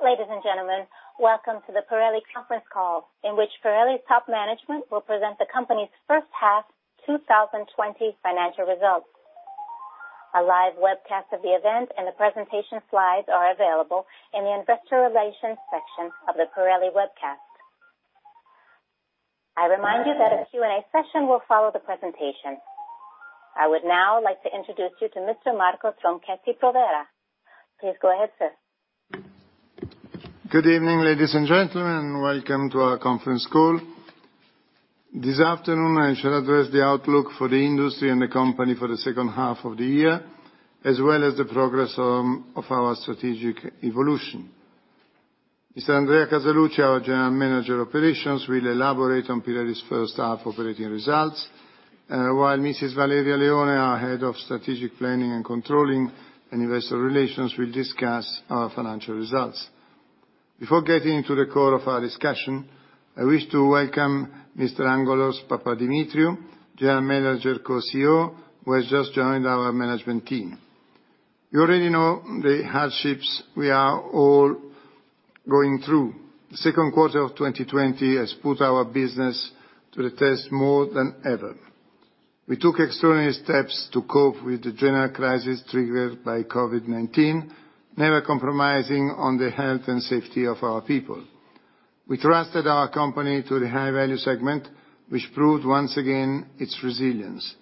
Ladies and gentlemen, welcome to the Pirelli conference call, in which Pirelli's top management will present the company's first half 2020 financial results. A live webcast of the event and the presentation slides are available in the investor relations section of the Pirelli webcast. I remind you that a Q&A session will follow the presentation. I would now like to introduce you to Mr. Marco Tronchetti Provera. Please go ahead, sir. Good evening, ladies and gentlemen, and welcome to our conference call. This afternoon, I shall address the outlook for the industry and the company for the second half of the year, as well as the progress of our strategic evolution. Mr. Andrea Casaluci, our General Manager, Operations, will elaborate on Pirelli's first half operating results, while Mrs. Valeria Leone, our Head of Strategic Planning and Controlling, and Investor Relations, will discuss our financial results. Before getting into the core of our discussion, I wish to welcome Mr. Angelos Papadimitriou, General Manager, Co-CEO, who has just joined our management team. You already know the hardships we are all going through. The second quarter of 2020 has put our business to the test more than ever. We took extraordinary steps to cope with the general crisis triggered by COVID-19, never compromising on the health and safety of our people. We trusted our company to the High Value segment, which proved once again its resilience.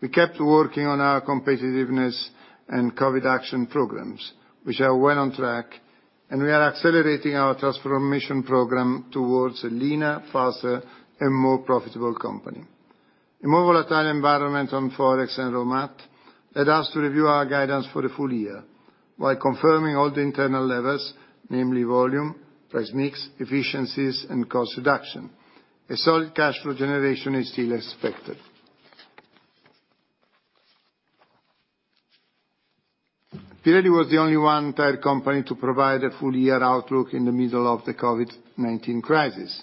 We kept working on our competitiveness and COVID action programs, which are well on track, and we are accelerating our transformation program towards a leaner, faster, and more profitable company. A more volatile environment on Forex and Raw Mat led us to review our guidance for the full year, while confirming all the internal levers, namely volume, price mix, efficiencies, and cost reduction. A solid cash flow generation is still expected. Pirelli was the only one tire company to provide a full year outlook in the middle of the COVID-19 crisis.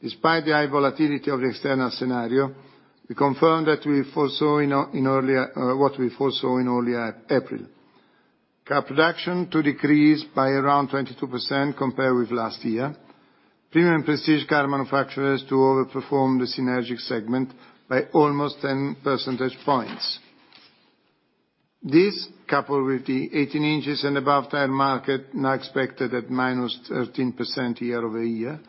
Despite the high volatility of the external scenario, we confirm that we foresaw in earlier April. Car production to decrease by around 22% compared with last year. Premium prestige car manufacturers to overperform the synergic segment by almost 10 percentage points. This, coupled with the 18 inches and above tire market, now expected at -13% year-over-year,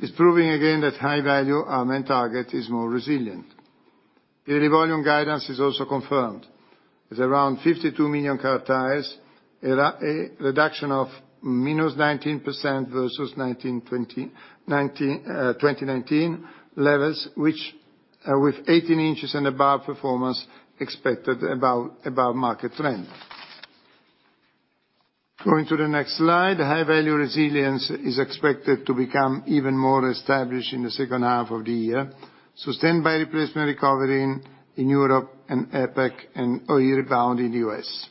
is proving again that High Value, our main target, is more resilient. Pirelli volume guidance is also confirmed. With around 52 million car tires, a reduction of -19% versus 2019-2020, 2019 levels, which with 18 inches and above performance expected above market trend. Going to the next slide, High Value resilience is expected to become even more established in the second half of the year, sustained by Replacement recovery in Europe and APAC and OE rebound in the U.S.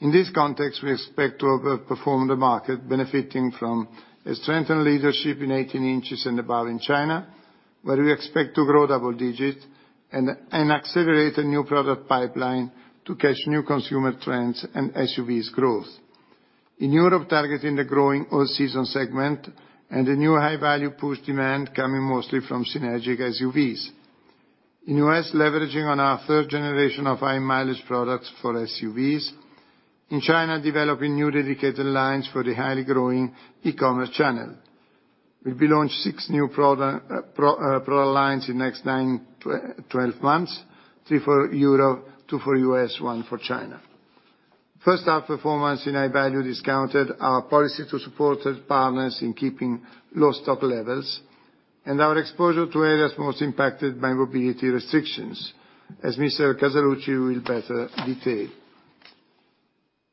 In this context, we expect to overperform the market, benefiting from a strengthened leadership in 18 inches and above in China, where we expect to grow double-digit and accelerate a new product pipeline to catch new consumer trends and SUVs growth. In Europe, targeting the growing all-season segment and the new high-value push demand coming mostly from synergic SUVs. In US, leveraging on our third generation of high-mileage products for SUVs. In China, developing new dedicated lines for the highly growing e-commerce channel. We'll be launching 6 new product lines in next 12 months, 3 for Europe, 2 for US, 1 for China. First-half performance in high-value discounted our policy to support third partners in keeping low stock levels and our exposure to areas most impacted by mobility restrictions, as Mr. Casaluci will better detail.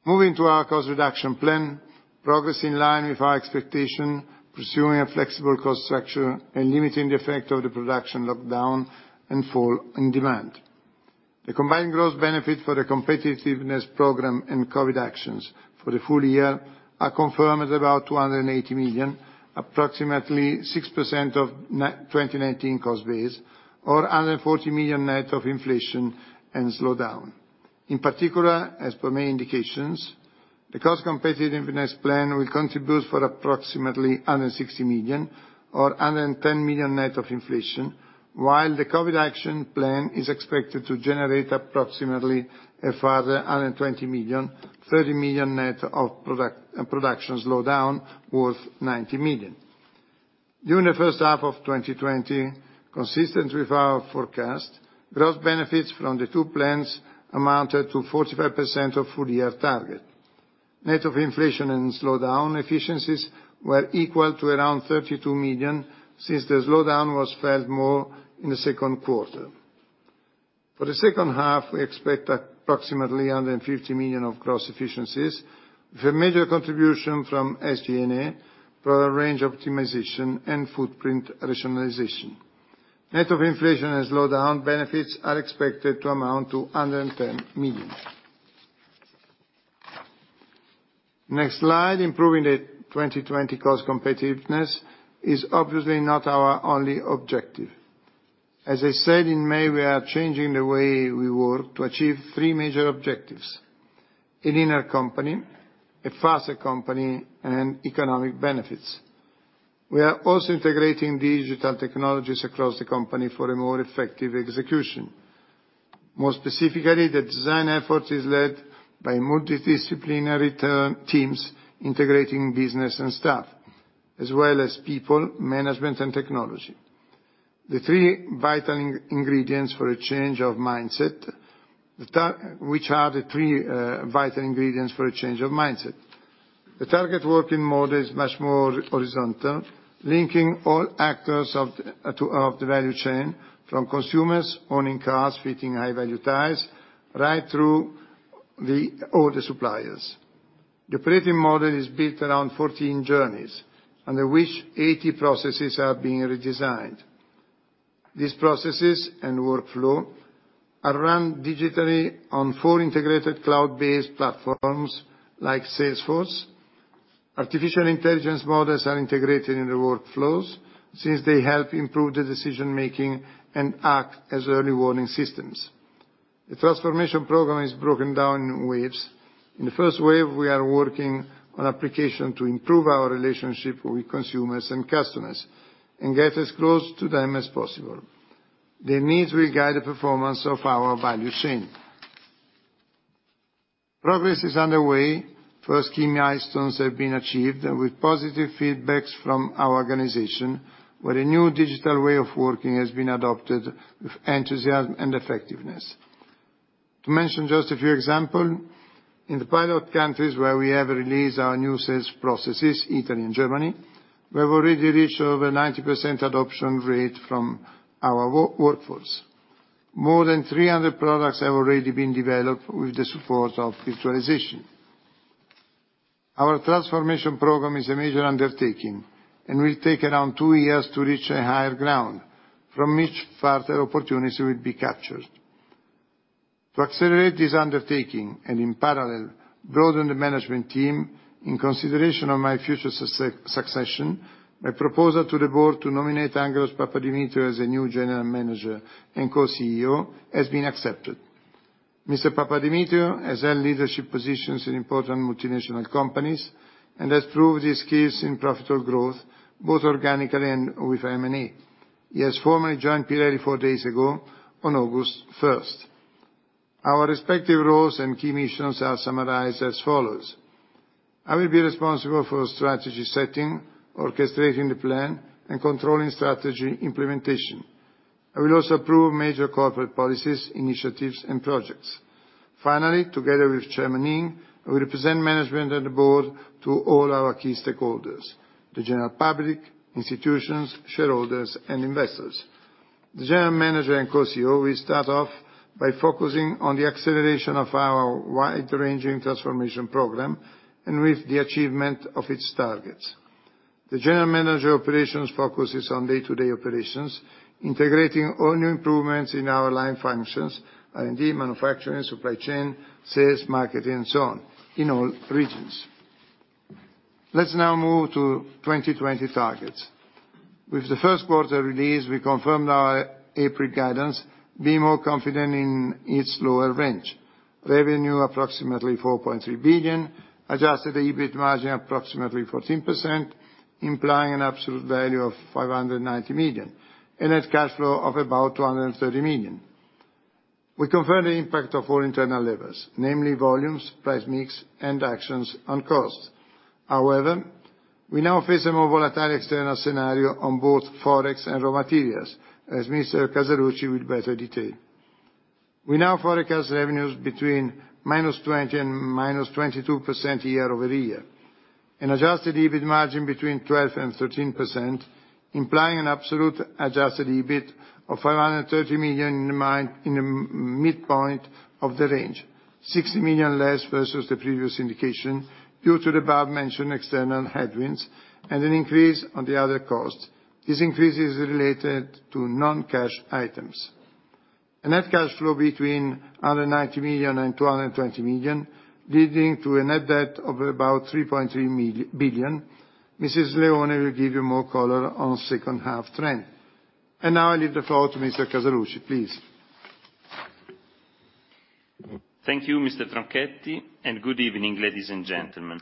Moving to our cost reduction plan, progress in line with our expectation, pursuing a flexible cost structure and limiting the effect of the production lockdown and fall in demand. The combined growth benefit for the Cost Competitiveness Plan and COVID Action Plan for the full year are confirmed at about 280 million, approximately 6% of 2019 cost base, or 140 million net of inflation and slowdown. In particular, as per main indications, the cost competitiveness plan will contribute for approximately 160 million or 110 million net of inflation, while the COVID action plan is expected to generate approximately a further 120 million, 30 million net of production slowdown worth 90 million. During the first half of 2020, consistent with our forecast, gross benefits from the two plans amounted to 45% of full year target. Net of inflation and slowdown, efficiencies were equal to around 32 million, since the slowdown was felt more in the second quarter. For the second half, we expect approximately 150 millions of gross efficiencies, with a major contribution from SG&A, product range optimization, and footprint rationalization. Net of inflation and slowdown, benefits are expected to amount to 110 million. Next slide, improving the 2020 cost competitiveness is obviously not our only objective. As I said in May, we are changing the way we work to achieve three major objectives: a leaner company, a faster company, and economic benefits. We are also integrating digital technologies across the company for a more effective execution. More specifically, the design effort is led by multidisciplinary teams, integrating business and staff, as well as people, management, and technology. The three vital ingredients for a change of mindset, which are the three vital ingredients for a change of mindset. The target working model is much more horizontal, linking all actors of the value chain, from consumers owning cars, fitting high-value tires, right through all the suppliers. The operating model is built around 14 journeys, under which 80 processes are being redesigned. These processes and workflows are run digitally on four integrated cloud-based platforms, like Salesforce. Artificial intelligence models are integrated in the workflows, since they help improve the decision making and act as early warning systems. The transformation program is broken down in waves. In the first wave, we are working on application to improve our relationship with consumers and customers and get as close to them as possible. Their needs will guide the performance of our value chain. Progress is underway. First key milestones have been achieved, and with positive feedback from our organization, where a new digital way of working has been adopted with enthusiasm and effectiveness. To mention just a few examples, in the pilot countries where we have released our new sales processes, Italy and Germany, we have already reached over 90% adoption rate from our workforce. More than 300 products have already been developed with the support of virtualization. Our transformation program is a major undertaking and will take around 2 years to reach a higher ground, from which further opportunity will be captured. To accelerate this undertaking, and in parallel, broaden the management team, in consideration of my future succession, my proposal to the board to nominate Angelos Papadimitriou as a new General Manager and Co-CEO has been accepted. Mr. Papadimitriou has held leadership positions in important multinational companies and has proved his skills in profitable growth, both organically and with M&A. He has formally joined Pirelli four days ago, on August first. Our respective roles and key missions are summarized as follows: I will be responsible for strategy setting, orchestrating the plan, and controlling strategy implementation. I will also approve major corporate policies, initiatives, and projects. Finally, together with Chairman Ng, I will represent management and the board to all our key stakeholders, the general public, institutions, shareholders, and investors. The General Manager and Co-CEO will start off by focusing on the acceleration of our wide-ranging transformation program, and with the achievement of its targets. The General Manager Operations focuses on day-to-day operations, integrating all new improvements in our line functions, R&D, manufacturing, supply chain, sales, marketing, and so on, in all regions. Let's now move to 2020 targets. With the first quarter release, we confirmed our April guidance, being more confident in its lower range. Revenue, approximately 4.3 billion, adjusted EBIT margin, approximately 14%, implying an absolute value of 590 million, and net cash flow of about 230 million. We confirm the impact of all internal levers, namely volumes, price mix, and actions on cost. However, we now face a more volatile external scenario on both forex and raw materials, as Mr. Casaluci will better detail. We now forecast revenues between -20% and -22% year-over-year, an adjusted EBIT margin between 12% and 13%, implying an absolute adjusted EBIT of 530 million in the midpoint of the range, 60 million less versus the previous indication, due to the above-mentioned external headwinds and an increase on the other costs. This increase is related to non-cash items. A net cash flow between under 90 million and 220 million, leading to a net debt of about 3.3 billion. Mrs. Leone will give you more color on second half trend. Now, I leave the floor to Mr. Casaluci, please. Thank you, Mr. Tronchetti, and good evening, ladies and gentlemen.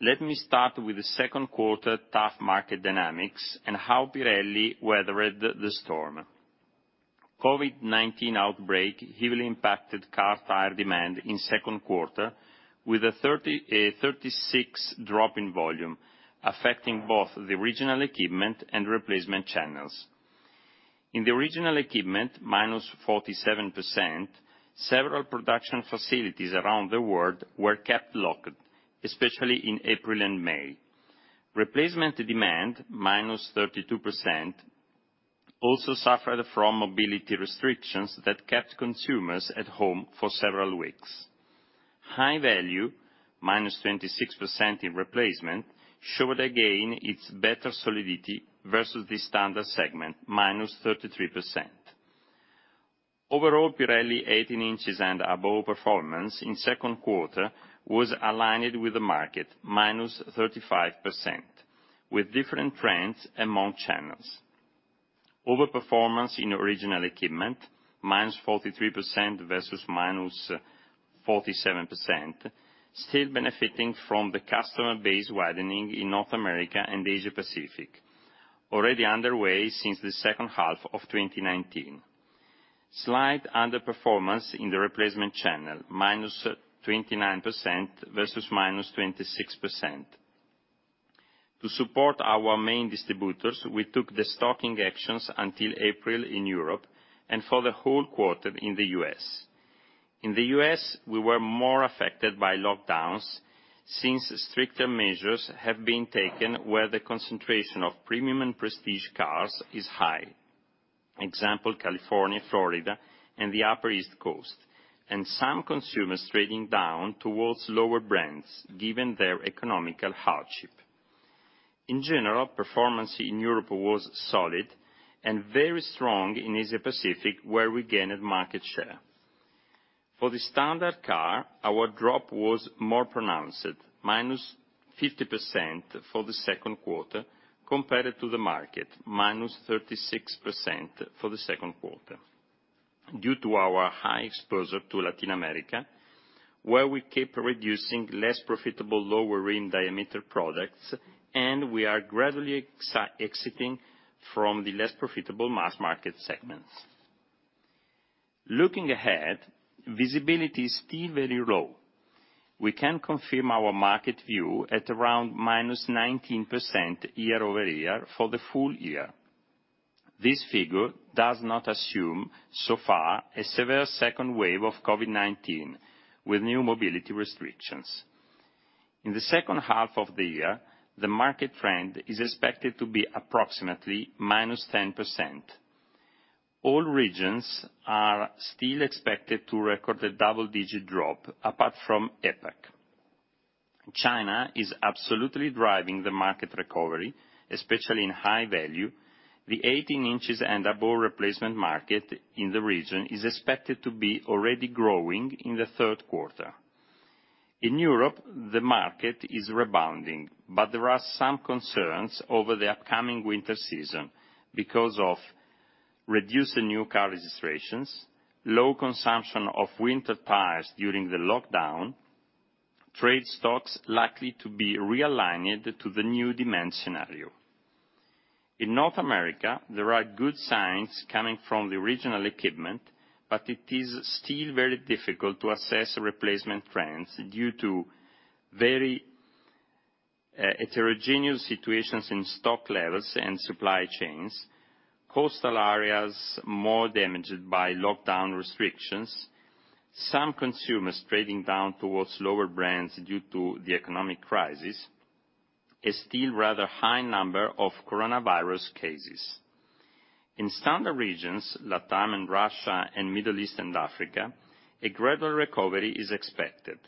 Let me start with the second quarter tough market dynamics and how Pirelli weathered the storm. COVID-19 outbreak heavily impacted car tire demand in second quarter, with a 36 drop in volume, affecting both the original equipment and replacement channels. In the original equipment, -47%, several production facilities around the world were kept locked, especially in April and May. Replacement demand, -32%, also suffered from mobility restrictions that kept consumers at home for several weeks. High Value, -26% in replacement, showed again its better solidity versus the Standard segment, -33%. Overall, Pirelli 18 inches and above performance in second quarter was aligned with the market, -35%, with different trends among channels. Overperformance in original equipment, -43% versus -47%, still benefiting from the customer base widening in North America and Asia Pacific, already underway since the second half of 2019. Slight underperformance in the replacement channel, -29% versus -26%. To support our main distributors, we took the stocking actions until April in Europe, and for the whole quarter in the US. In the US, we were more affected by lockdowns, since stricter measures have been taken where the concentration of premium and prestige cars is high. Example, California, Florida, and the Upper East Coast, and some consumers trading down towards lower brands, given their economic hardship. In general, performance in Europe was solid and very strong in Asia Pacific, where we gained market share. For the Standard car, our drop was more pronounced, -50% for the second quarter compared to the market, -36% for the second quarter, due to our high exposure to Latin America, where we keep reducing less profitable, lower rim diameter products, and we are gradually exiting from the less profitable mass market segments. Looking ahead, visibility is still very low. We can confirm our market view at around -19% year-over-year for the full year. This figure does not assume, so far, a severe second wave of COVID-19, with new mobility restrictions. In the second half of the year, the market trend is expected to be approximately -10%. All regions are still expected to record a double-digit drop, apart from APAC. China is absolutely driving the market recovery, especially in High Value. The 18 inches and above replacement market in the region is expected to be already growing in the third quarter. In Europe, the market is rebounding, but there are some concerns over the upcoming winter season because of reduced new car registrations, low consumption of winter tires during the lockdown, trade stocks likely to be realigned to the new demand scenario. In North America, there are good signs coming from the original equipment, but it is still very difficult to assess replacement trends due to very heterogeneous situations in stock levels and supply chains, coastal areas more damaged by lockdown restrictions, some consumers trading down towards lower brands due to the economic crisis, a still rather high number of coronavirus cases. In Standard regions, Latam and Russia and Middle East and Africa, a gradual recovery is expected.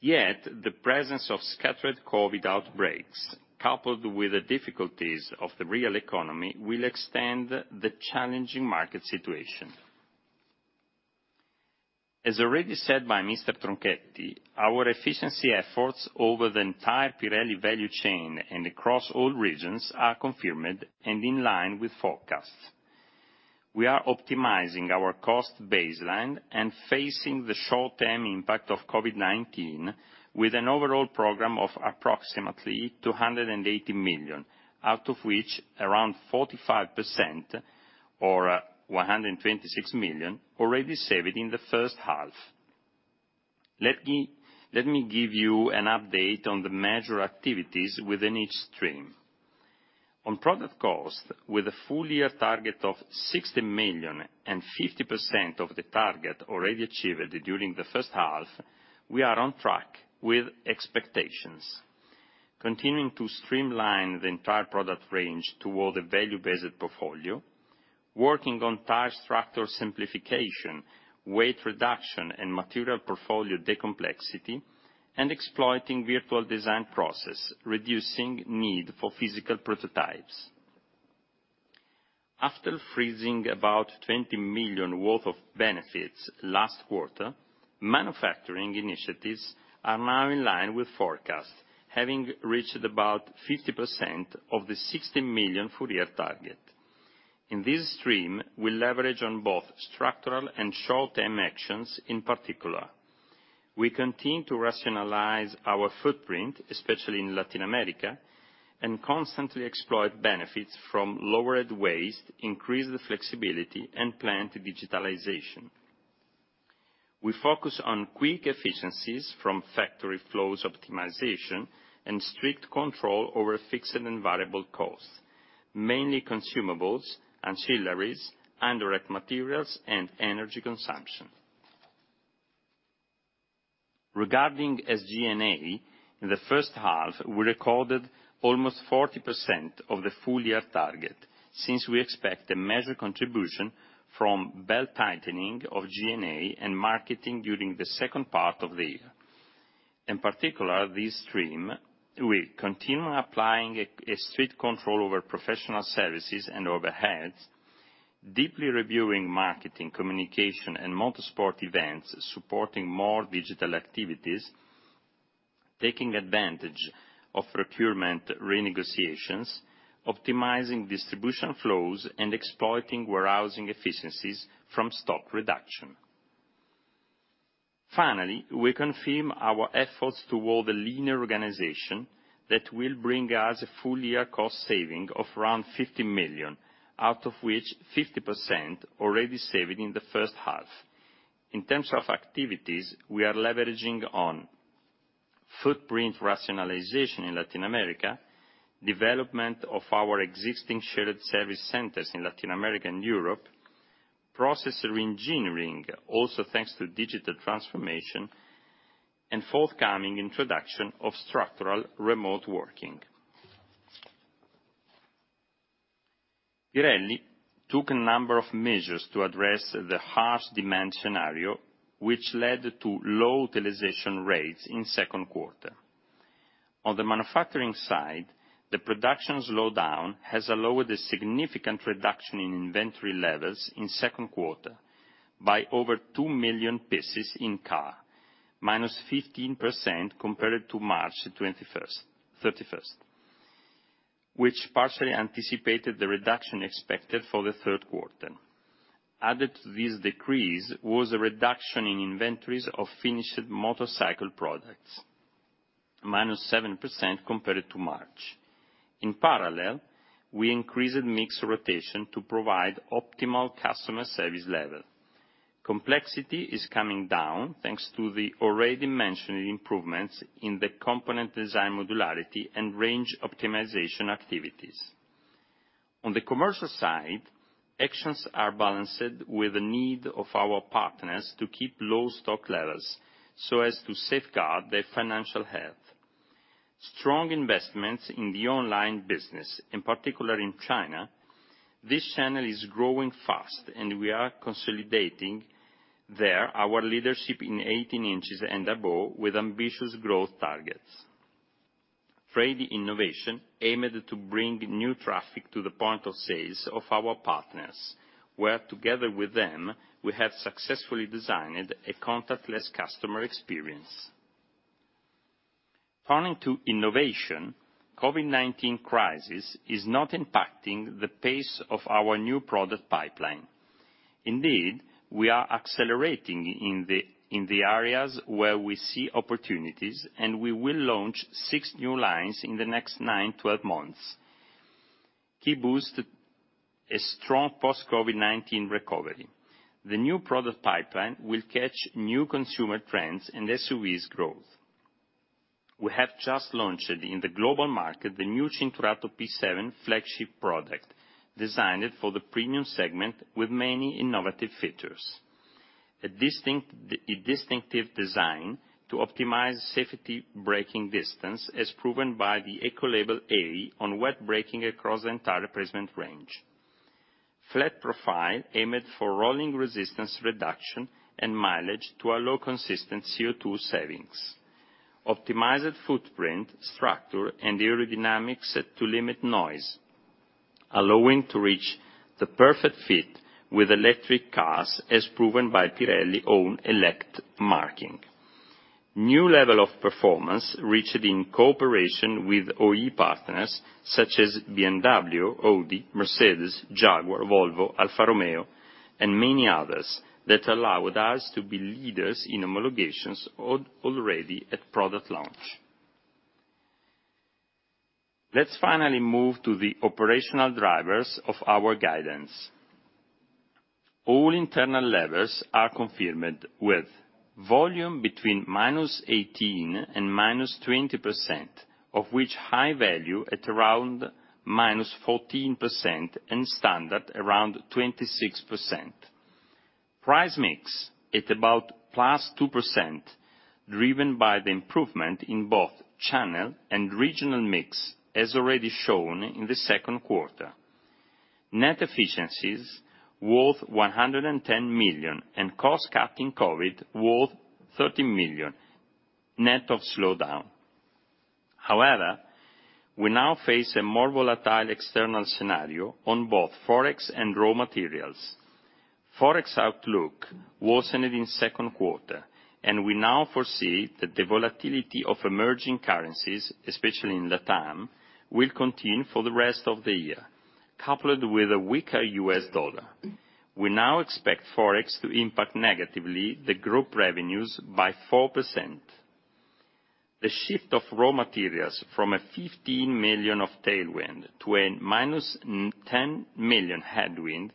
Yet, the presence of scattered COVID outbreaks, coupled with the difficulties of the real economy, will extend the challenging market situation. As already said by Mr. Tronchetti, our efficiency efforts over the entire Pirelli value chain and across all regions are confirmed and in line with forecast. We are optimizing our cost baseline and facing the short-term impact of COVID-19 with an overall program of approximately 280 million, out of which around 45%, or 126 million, already saved in the first half. Let me, let me give you an update on the major activities within each stream. On product cost, with a full year target of 60 million and 50% of the target already achieved during the first half, we are on track with expectations, continuing to streamline the entire product range toward a value-based portfolio, working on tire structure simplification, weight reduction, and material portfolio decomplexity, and exploiting virtual design process, reducing need for physical prototypes. After freezing about 20 million worth of benefits last quarter, manufacturing initiatives are now in line with forecast, having reached about 50% of the 60 million full year target. In this stream, we leverage on both structural and short-term actions, in particular. We continue to rationalize our footprint, especially in Latin America, and constantly exploit benefits from lowered waste, increased flexibility, and plant digitalization. We focus on quick efficiencies from factory flows optimization and strict control over fixed and variable costs, mainly consumables, ancillaries, indirect materials, and energy consumption. Regarding SG&A, in the first half, we recorded almost 40% of the full year target, since we expect a major contribution from belt-tightening of G&A and marketing during the second part of the year. In particular, this stream, we continue applying a strict control over professional services and overheads, deeply reviewing marketing, communication, and motorsport events, supporting more digital activities, taking advantage of procurement renegotiations, optimizing distribution flows, and exploiting warehousing efficiencies from stock reduction. Finally, we confirm our efforts toward a leaner organization that will bring us a full year cost saving of around 50 million, out of which 50% already saved in the first half. In terms of activities, we are leveraging on footprint rationalization in Latin America, development of our existing shared service centers in Latin America and Europe, process reengineering, also thanks to digital transformation, and forthcoming introduction of structural remote working. Pirelli took a number of measures to address the harsh demand scenario, which led to low utilization rates in second quarter. On the manufacturing side, the production slowdown has allowed a significant reduction in inventory levels in second quarter by over 2 million pieces in car, -15% compared to March 31st, which partially anticipated the reduction expected for the third quarter. Added to this decrease was a reduction in inventories of finished motorcycle products, -7% compared to March. In parallel, we increased mix rotation to provide optimal customer service level. Complexity is coming down, thanks to the already mentioned improvements in the component design modularity and range optimization activities. On the commercial side, actions are balanced with the need of our partners to keep low stock levels, so as to safeguard their financial health. Strong investments in the online business, in particular in China, this channel is growing fast, and we are consolidating there our leadership in 18 inches and above with ambitious growth targets. Trade innovation aimed to bring new traffic to the point of sales of our partners, where, together with them, we have successfully designed a contactless customer experience. Turning to innovation, COVID-19 crisis is not impacting the pace of our new product pipeline. Indeed, we are accelerating in the areas where we see opportunities, and we will launch six new lines in the next nine, 12 months. Key boost, a strong post-COVID-19 recovery. The new product pipeline will catch new consumer trends and SUVs growth. We have just launched in the global market, the new Cinturato P7 flagship product, designed for the premium segment with many innovative features. A distinctive design to optimize safety braking distance, as proven by the Eco Label A on wet braking across the entire present range. Flat profile, aimed for rolling resistance reduction and mileage to allow consistent CO2 savings. Optimized footprint, structure, and aerodynamics to limit noise, allowing to reach the perfect fit with electric cars, as proven by Pirelli own Elect marking. New level of performance, reached in cooperation with OE partners, such as BMW, Audi, Mercedes, Jaguar, Volvo, Alfa Romeo, and many others, that allowed us to be leaders in homologations already at product launch. Let's finally move to the operational drivers of our guidance. All internal levels are confirmed with volume between -18% and -20%, of which High Value at around -14% and Standard around -26%. Price Mix at about +2%, driven by the improvement in both channel and regional mix, as already shown in the second quarter. Net efficiencies worth 110 million, and cost cutting COVID worth 13 million, net of slowdown. However, we now face a more volatile external scenario on both Forex and raw materials. Forex outlook worsened in second quarter, and we now foresee that the volatility of emerging currencies, especially in Latam, will continue for the rest of the year, coupled with a weaker U.S. dollar. We now expect Forex to impact negatively the group revenues by 4%. The shift of raw materials from a 15 million tailwind to a -10 million headwind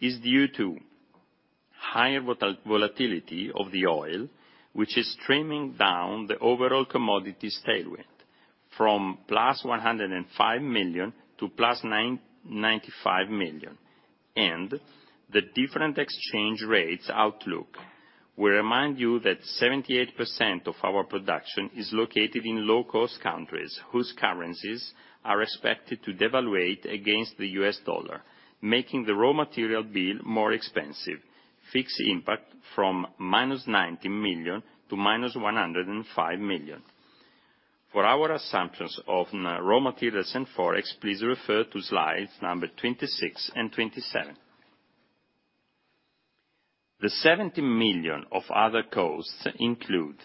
is due to higher volatility of the oil, which is trimming down the overall commodities tailwind from +105 million to +95 million, and the different exchange rates outlook. We remind you that 78% of our production is located in low-cost countries, whose currencies are expected to devaluate against the U.S. dollar, making the raw material bill more expensive, FX impact from -19 million to -105 million. For our assumptions on raw materials and Forex, please refer to slides number 26 and 27. The 70 million of other costs include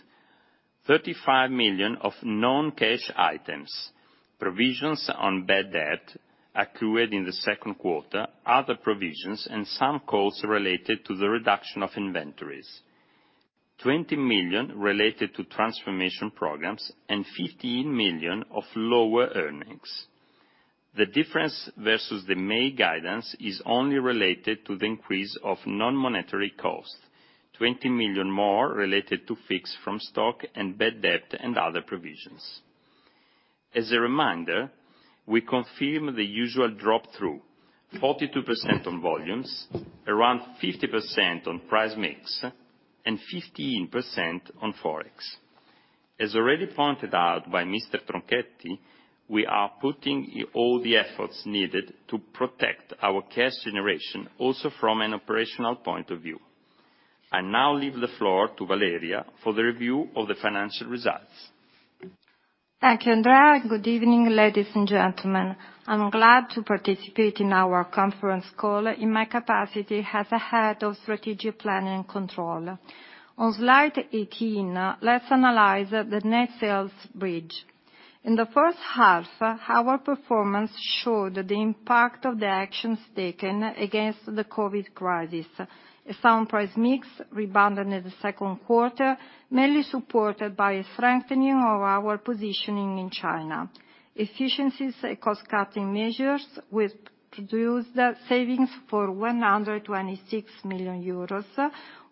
35 million of non-cash items, provisions on bad debt accrued in the second quarter, other provisions, and some costs related to the reduction of inventories. 20 million related to transformation programs, and 15 millions of lower earnings. The difference versus the May guidance is only related to the increase of non-monetary costs, 20 million more related to fix from stock and bad debt, and other provisions. As a reminder, we confirm the usual drop through 42% on volumes, around 50% on price mix, and 15% on Forex. As already pointed out by Mr. Tronchetti, we are putting all the efforts needed to protect our cash generation, also from an operational point of view. I now leave the floor to Valeria for the review of the financial results. Thank you, Andrea. Good evening, ladies and gentlemen. I'm glad to participate in our conference call in my capacity as the Head of Strategic Planning and Controlling. On slide 18, let's analyze the net sales bridge. In the first half, our performance showed the impact of the actions taken against the COVID crisis. A sound price mix rebounded in the second quarter, mainly supported by a strengthening of our positioning in China. Efficiencies and cost-cutting measures, which produced savings for 126 million euros,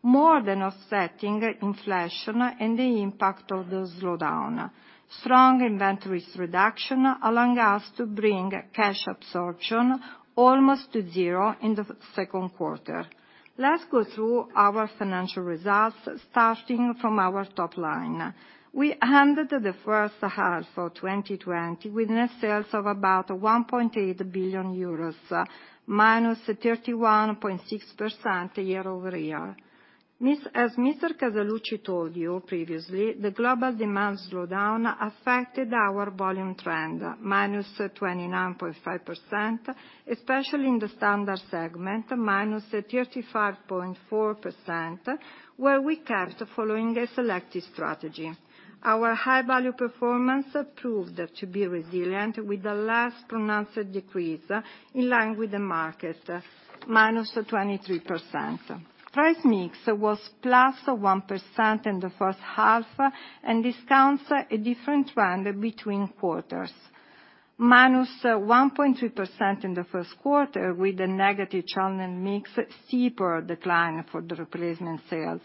more than offsetting inflation and the impact of the slowdown. Strong inventories reduction, allowing us to bring cash absorption almost to zero in the second quarter. Let's go through our financial results, starting from our top line. We ended the first half of 2020 with net sales of about 1.8 billion euros, -31.6% year-over-year. Mis- as Mr. Casaluci told you previously, the global demand slowdown affected our volume trend, -29.5%, especially in the Standard segment, -35.4%, where we kept following a selective strategy. Our High Value performance proved to be resilient, with a less pronounced decrease in line with the market, -23%. Price mix was +1% in the first half and discounts a different trend between quarters. -1.3% in the first quarter, with a negative channel mix, steeper decline for the replacement sales,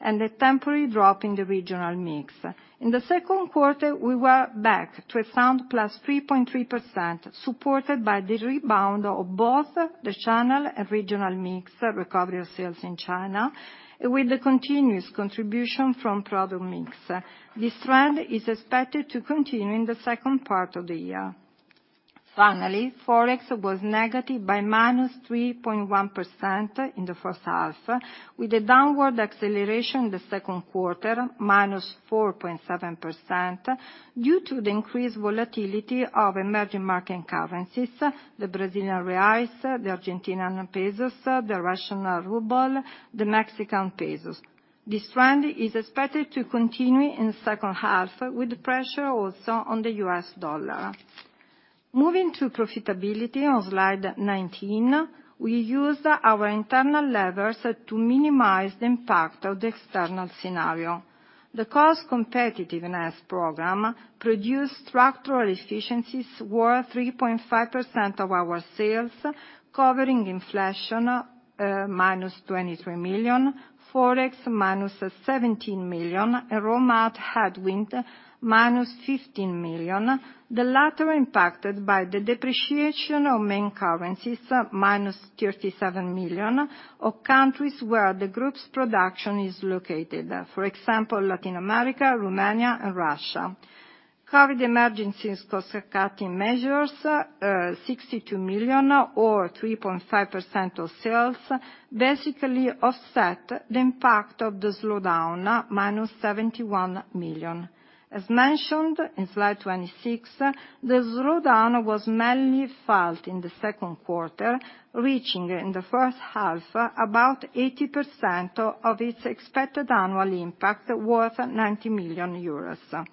and a temporary drop in the regional mix. In the second quarter, we were back to a sound +3.3%, supported by the rebound of both the channel and regional mix recovery of sales in China, with the continuous contribution from product mix. This trend is expected to continue in the second part of the year. Finally, Forex was negative by -3.1% in the first half, with a downward acceleration in the second quarter, -4.7%, due to the increased volatility of emerging market currencies, the Brazilian reais, the Argentine pesos, the Russian ruble, the Mexican pesos. This trend is expected to continue in the second half, with pressure also on the U.S. dollar. Moving to profitability on slide 19, we used our internal levers to minimize the impact of the external scenario. The cost competitiveness program produced structural efficiencies worth 3.5% of our sales, covering inflation, -23 million, Forex -17 million, and raw mat headwind, -15 million. The latter impacted by the depreciation of main currencies, -37 million of countries where the group's production is located. For example, Latin America, Romania, and Russia. COVID emergencies cost-cutting measures, 62 million or 3.5% of sales, basically offset the impact of the slowdown, -71 million. As mentioned in slide 26, the slowdown was mainly felt in the second quarter, reaching in the first half, about 80% of its expected annual impact, worth 90 million euros.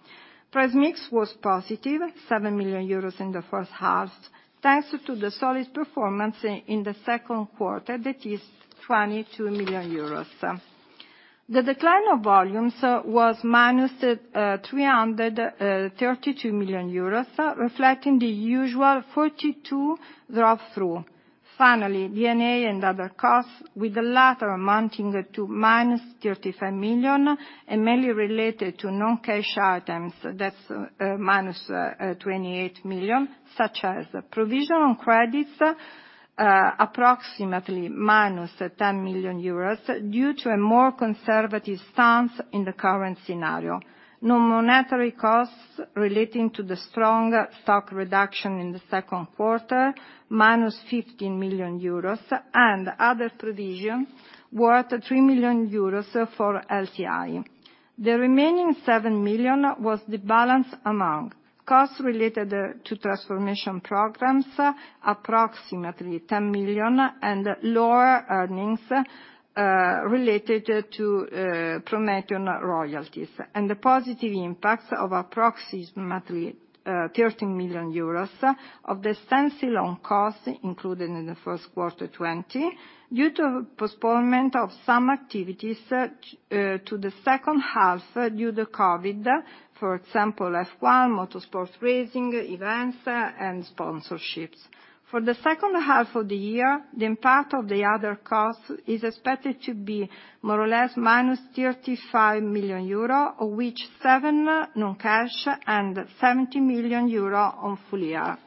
Price mix was positive, 7 million euros in the first half, thanks to the solid performance in the second quarter, that is 22 million euros. The decline of volumes was -332 million euros, reflecting the usual 42 drop through... Finally, D&A and other costs, with the latter amounting to -35 million, and mainly related to non-cash items, that's minus -28 million, such as provision on credits, approximately -10 million euros, due to a more conservative stance in the current scenario. No monetary costs relating to the strong stock reduction in the second quarter, minus -15 million euros, and other provisions worth 3 million euros for LTI. The remaining 7 million was the balance among costs related to transformation programs, approximately 10 million, and lower earnings related to Prometeon royalties, and the positive impacts of approximately 13 million euros of the standing costs included in the first quarter 2020, due to postponement of some activities to the second half due to COVID. For example, F1, motorsport racing, events, and sponsorships. For the second half of the year, the impact of the other costs is expected to be more or less minus 35 million euro, of which 7 non-cash and 70 million euro on full year.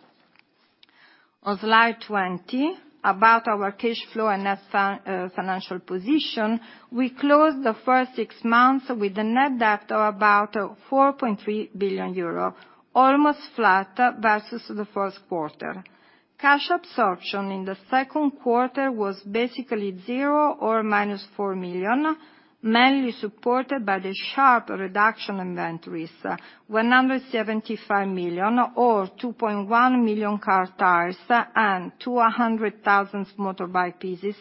On slide 20, about our cash flow and net financial position, we closed the first six months with a net debt of about 4.3 billion euro, almost flat versus the first quarter. Cash absorption in the second quarter was basically zero or minus 4 million, mainly supported by the sharp reduction inventories, 175 million, or 2.1 million car tires, and 200,000 motorbike pieces,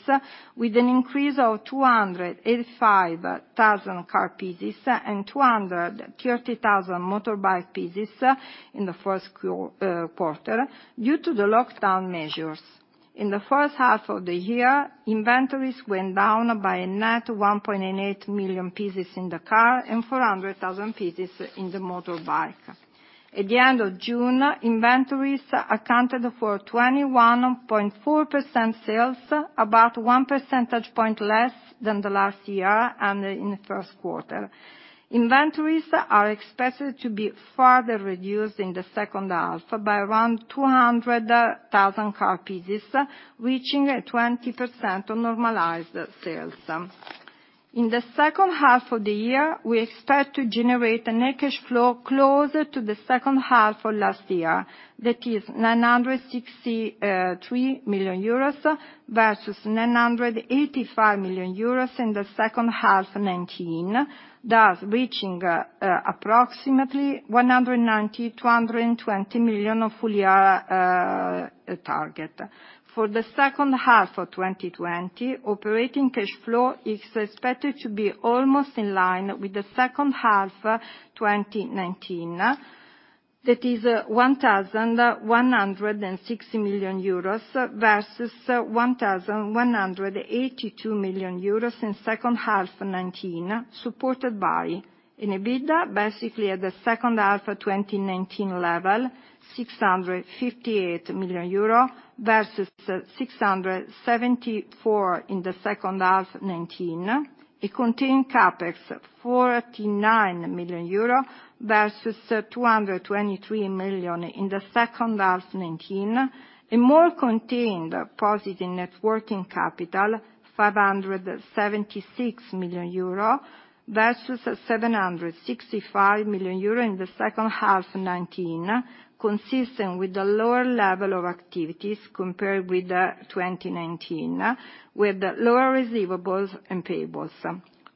with an increase of 285,000 car pieces and 230,000 motorbike pieces in the first quarter, due to the lockdown measures. In the first half of the year, inventories went down by a net 1.8 million pieces in the car, and 400,000 pieces in the motorbike. At the end of June, inventories accounted for 21.4% sales, about 1 percentage point less than last year and in the first quarter. Inventories are expected to be further reduced in the second half by around 200,000 car pieces, reaching 20% on normalized sales. In the second half of the year, we expect to generate a net cash flow closer to the second half of last year, that is 963 million euros, versus 985 million euros in the second half 2019, thus reaching approximately 190 million-220 million of full year target. For the second half of 2020, operating cash flow is expected to be almost in line with the second half 2019. That is, 1,160 million euros, versus 1,182 million euros in second half 2019, supported by an EBITDA, basically at the second half of 2019 level, 658 million euro, versus 674 million euro in the second half 2019. It contained CapEx, 49 million euro, versus 223 million in the second half 2019. A more contained positive net working capital, 576 million euro, versus 765 million euro in the second half 2019, consistent with the lower level of activities compared with 2019, with lower receivables and payables.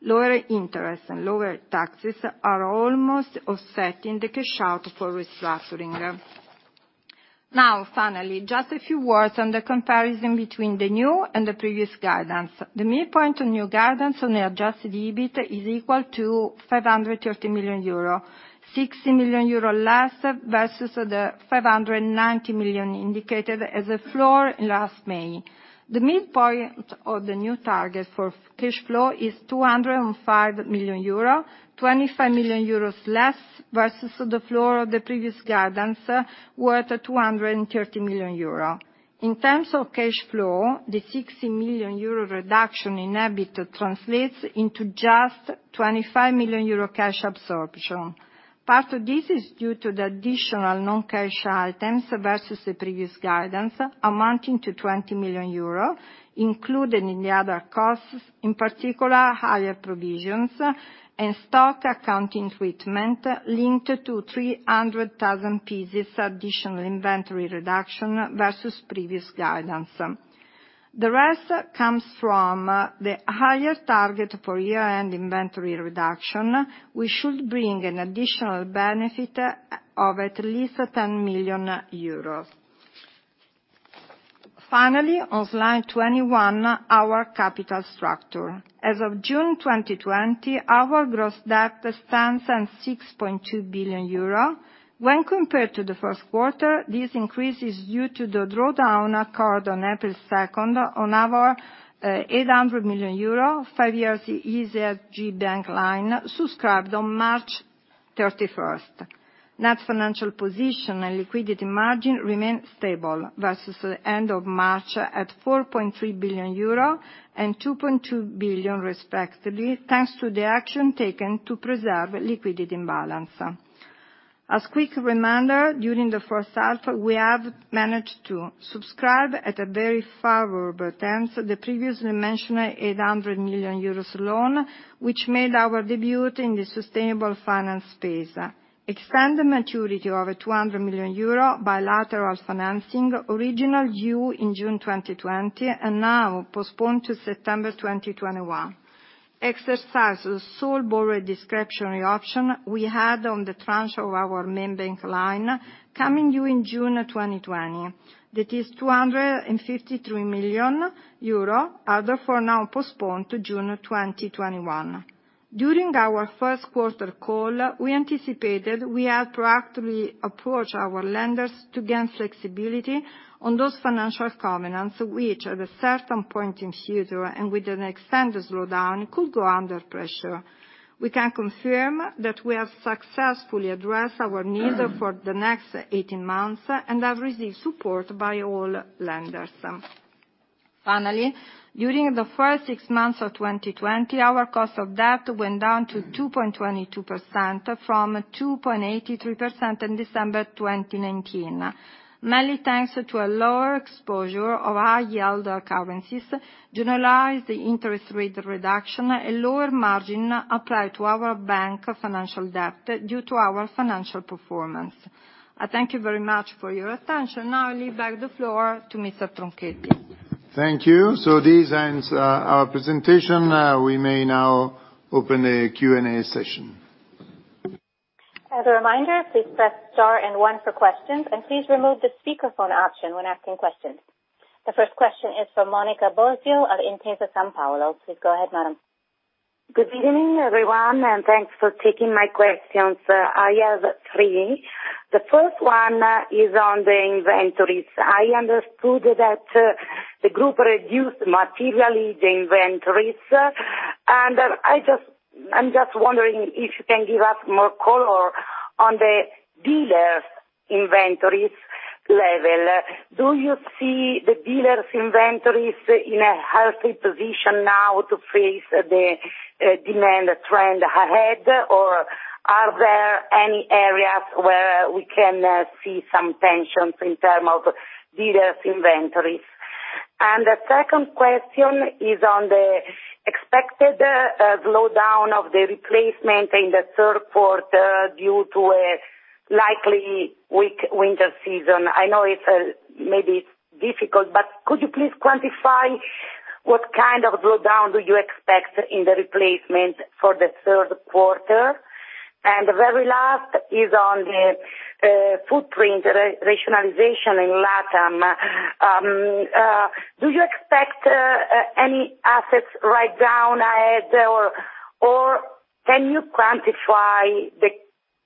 Lower interest and lower taxes are almost offsetting the cash out for restructuring. Now, finally, just a few words on the comparison between the new and the previous guidance. The midpoint on new guidance on the Adjusted EBIT is equal to 530 million euro, 60 million euro less versus the 590 million indicated as a floor last May. The midpoint of the new target for cash flow is 205 million euro, 25 million euros less, versus the floor of the previous guidance, worth 230 million euro. In terms of cash flow, the 60 million euro reduction in EBITDA translates into just 25 million euro cash absorption. Part of this is due to the additional non-cash items versus the previous guidance, amounting to 20 million euro, including in the other costs, in particular, higher provisions and stock accounting treatment linked to 300,000 pieces additional inventory reduction versus previous guidance. The rest comes from the higher target for year-end inventory reduction, which should bring an additional benefit of at least 10 million euros. Finally, on slide 21, our capital structure. As of June 2020, our gross debt stands at 6.2 billion euro. When compared to the first quarter, this increase is due to the drawdown occurred on April 2 on our 800 million euro, five-year ESG bank line, subscribed on March 31. Net financial position and liquidity margin remained stable versus the end of March at 4.3 billion euro and 2.2 billion respectively, thanks to the action taken to preserve liquidity imbalance. As quick reminder, during the first half, we have managed to subscribe at a very favorable terms, the previously mentioned 800 million euros loan, which made our debut in the sustainable finance space. Extend the maturity of a 200 million euro bilateral financing, originally due in June 2020, and now postponed to September 2021. Exercise the sole borrower discretionary option we had on the tranche of our main bank line coming due in June 2020. That is 253 million euro, therefore now postponed to June 2021. During our first quarter call, we anticipated we had proactively approached our lenders to gain flexibility on those financial covenants, which at a certain point in the future, and with an extended slowdown, could go under pressure. We can confirm that we have successfully addressed our needs for the next 18 months and have received support by all lenders. Finally, during the first six months of 2020, our cost of debt went down to 2.22%, from 2.83% in December 2019. Mainly thanks to a lower exposure of high yield currencies, generalized interest rate reduction, a lower margin applied to our bank financial debt due to our financial performance. I thank you very much for your attention. Now I leave back the floor to Mr. Tronchetti. Thank you. So this ends our presentation. We may now open the Q&A session. As a reminder, please press star and one for questions, and please remove the speakerphone option when asking questions. The first question is from Monica Bosio of Intesa Sanpaolo. Please go ahead, madam. Good evening, everyone, and thanks for taking my questions. I have three. The first one is on the inventories. I understood that the group reduced materially the inventories, and I'm just wondering if you can give us more color on the dealers' inventories level. Do you see the dealers' inventories in a healthy position now to face the demand trend ahead? Or are there any areas where we can see some tensions in terms of dealers' inventories? And the second question is on the expected slowdown of the replacement in the third quarter, due to a likely weak winter season. I know it's maybe difficult, but could you please quantify what kind of slowdown do you expect in the replacement for the third quarter? And the very last is on the footprint rationalization in Latam. Do you expect any asset writedown ahead, or can you quantify the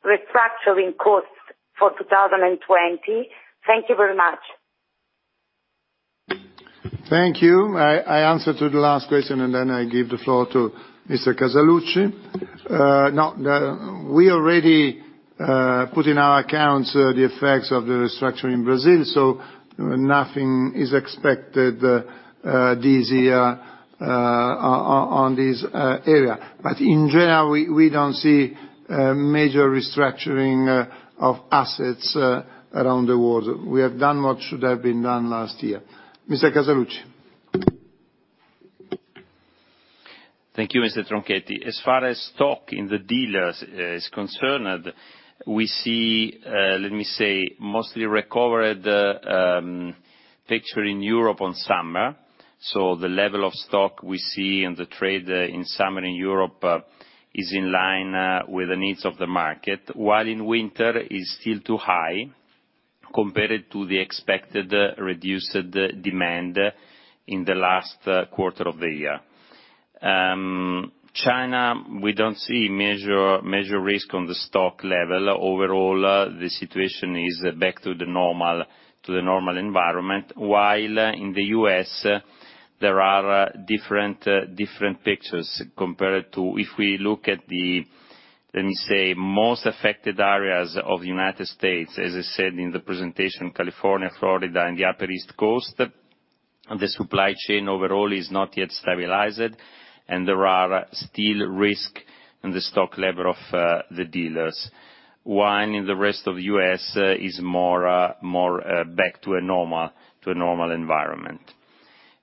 restructuring costs for 2020? Thank you very much. Thank you. I answer to the last question, and then I give the floor to Mr. Casaluci. No, we already put in our accounts the effects of the restructuring in Brazil, so nothing is expected this year on this area. But in general, we don't see major restructuring of assets around the world. We have done what should have been done last year. Mr. Casaluci? Thank you, Mr. Tronchetti. As far as stock in the dealers is concerned, we see, let me say, mostly recovered picture in Europe on summer. So, the level of stock we see in the trade in summer in Europe is in line with the needs of the market. While in winter is still too high compared to the expected reduced demand in the last quarter of the year. China, we don't see major, major risk on the stock level. Overall, the situation is back to the normal, to the normal environment. While in the US, there are different, different pictures compared to if we look at the, let me say, most affected areas of the United States, as I said in the presentation, California, Florida, and the Upper East Coast, the supply chain overall is not yet stabilized, and there are still risk in the stock level of, the dealers. While in the rest of the US, is more, more, back to a normal, to a normal environment.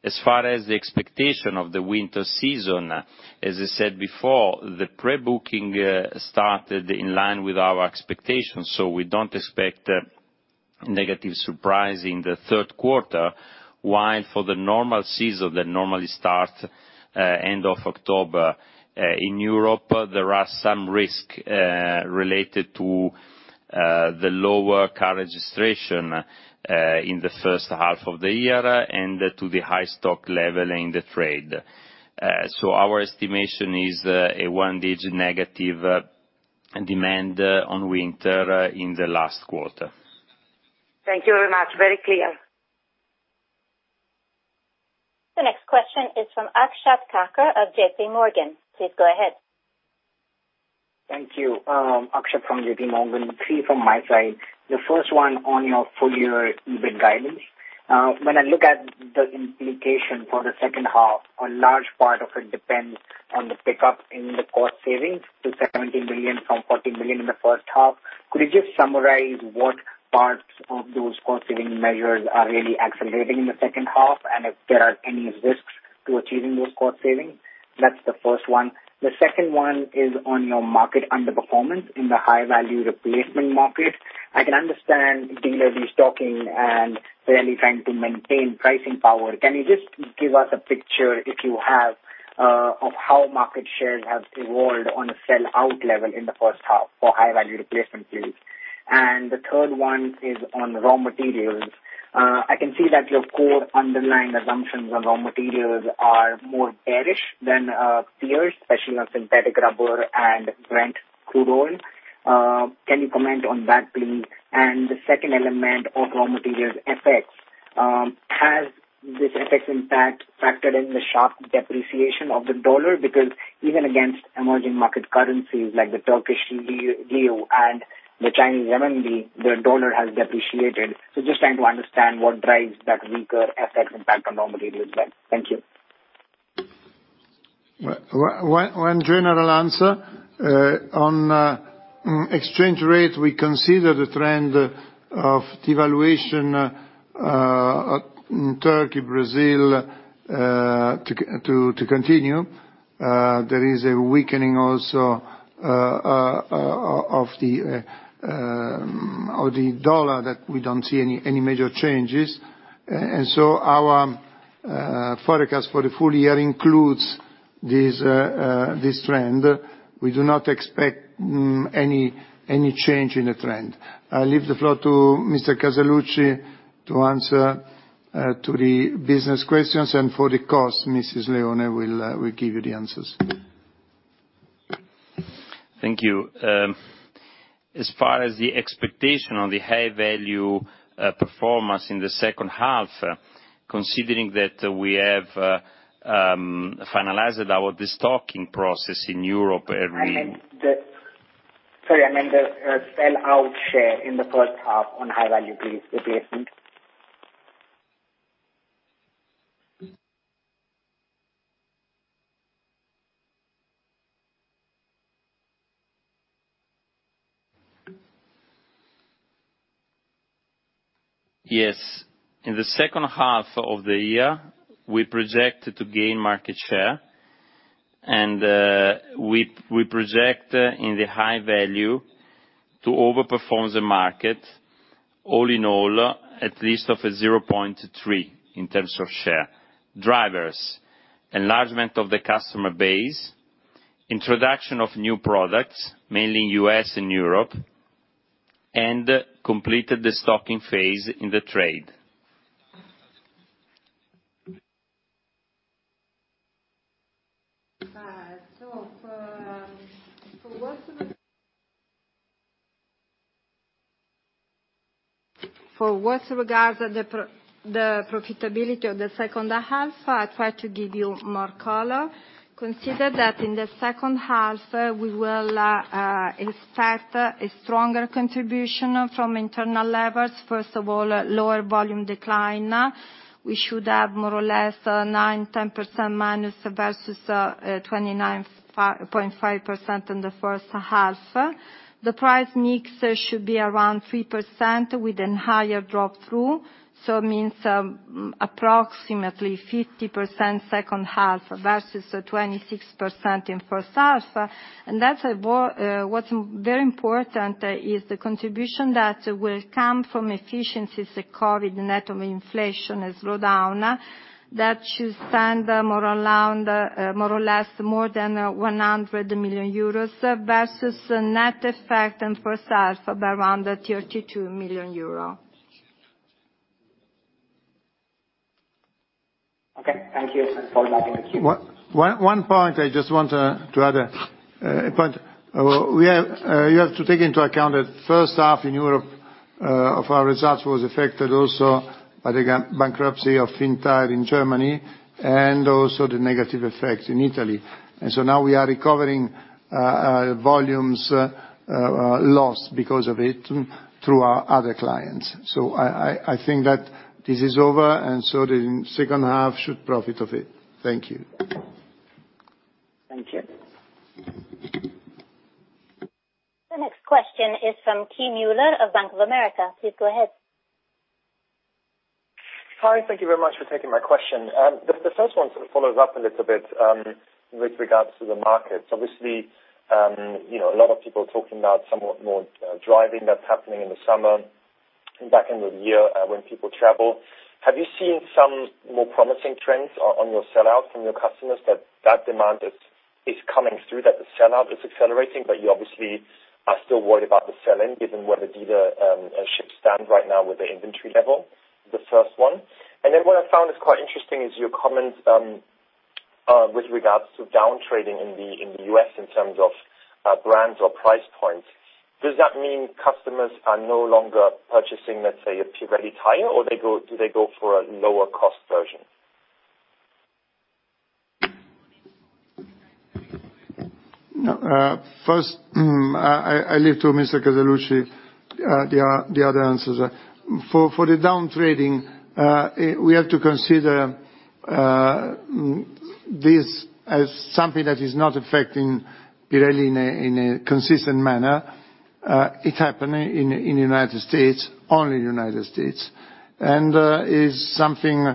As far as the expectation of the winter season, as I said before, the pre-booking, started in line with our expectations, so we don't expect negative surprise in the third quarter. While for the normal season, that normally start end of October in Europe, there are some risk related to the lower car registration in the first half of the year, and to the high stock level in the trade. So our estimation is a one-digit negative demand on winter in the last quarter. Thank you very much. Very clear. ... is from Akshat Kacker of J.P. Morgan. Please go ahead. Thank you. Akshat from J.P. Morgan. Three from my side. The first one on your full year EBIT guidance. When I look at the implication for the second half, a large part of it depends on the pickup in the cost savings to 17 million from 14 million in the first half. Could you just summarize what parts of those cost saving measures are really accelerating in the second half, and if there are any risks to achieving those cost savings? That's the first one. The second one is on your market underperformance in the High Value Replacement market. I can understand dealers restocking and really trying to maintain pricing power. Can you just give us a picture, if you have, of how market shares have evolved on a sell-out level in the first half for High Value Replacement please? The third one is on raw materials. I can see that your core underlying assumptions on raw materials are more bearish than peers, especially on synthetic rubber and Brent crude oil. Can you comment on that, please? The second element of raw materials effects, has this effect impact factored in the sharp depreciation of the dollar? Because even against emerging market currencies like the Turkish lira and the Chinese renminbi, the dollar has depreciated. So just trying to understand what drives that weaker effect impact on raw materials then. Thank you. One general answer on exchange rate, we consider the trend of devaluation in Turkey, Brazil to continue. There is a weakening also of the dollar that we don't see any major changes. And so our forecast for the full year includes this trend. We do not expect any change in the trend. I leave the floor to Mr. Casaluci to answer to the business questions, and for the cost, Mrs. Leone will give you the answers. Thank you. As far as the expectation on the High Value, performance in the second half, considering that we have finalized our destocking process in Europe early- I meant the, sorry, I meant the sellout share in the first half on High Value, please, replacement. Yes. In the second half of the year, we project to gain market share, and we project in the High Value to overperform the market all in all, at least 0.3 in terms of share. Drivers: enlargement of the customer base, introduction of new products, mainly US and Europe, and completed the stocking phase in the trade. So for what- For what regards the profitability of the second half, I'll try to give you more color. Consider that in the second half, we will expect a stronger contribution from internal levers. First of all, lower volume decline. We should have more or less 9-10% minus versus 29.5% in the first half. The price mix should be around 3% with a higher drop through, so means approximately 50% second half versus 26% in first half. And that's what's very important is the contribution that will come from efficiencies recorded net of inflation slowdown. That should stand more around more or less more than 100 million euros versus net effect in first half around EUR 32 million. Okay. Thank you. Over back in the queue. One point I just want to add a point. We have you have to take into account that first half in Europe of our results was affected also by the bankruptcy of Fintyre in Germany and also the negative effect in Italy. And so now we are recovering volumes lost because of it through our other clients. So, I think that this is over, and so the second half should profit of it. Thank you. Thank you. The next question is from Kai Mueller of Bank of America. Please go ahead. Hi, thank you very much for taking my question. The first one sort of follows up a little bit, with regards to the markets. Obviously, you know, a lot of people are talking about somewhat more driving that's happening in the summer and back end of the year, when people travel. Have you seen some more promising trends on your sellout from your customers, that demand is coming through, that the sellout is accelerating, but you obviously are still worried about the sell-in given where the dealerships stand right now with the inventory level? The first one. And then what I found is quite interesting is your comments, With regards to down trading in the U.S. in terms of brands or price points, does that mean customers are no longer purchasing, let's say, a Pirelli tire, or they go—do they go for a lower cost version? First, I leave to Mr. Casaluci the other answers. For the down trading, we have to consider this as something that is not affecting Pirelli in a consistent manner. It happened in United States, only United States. And is something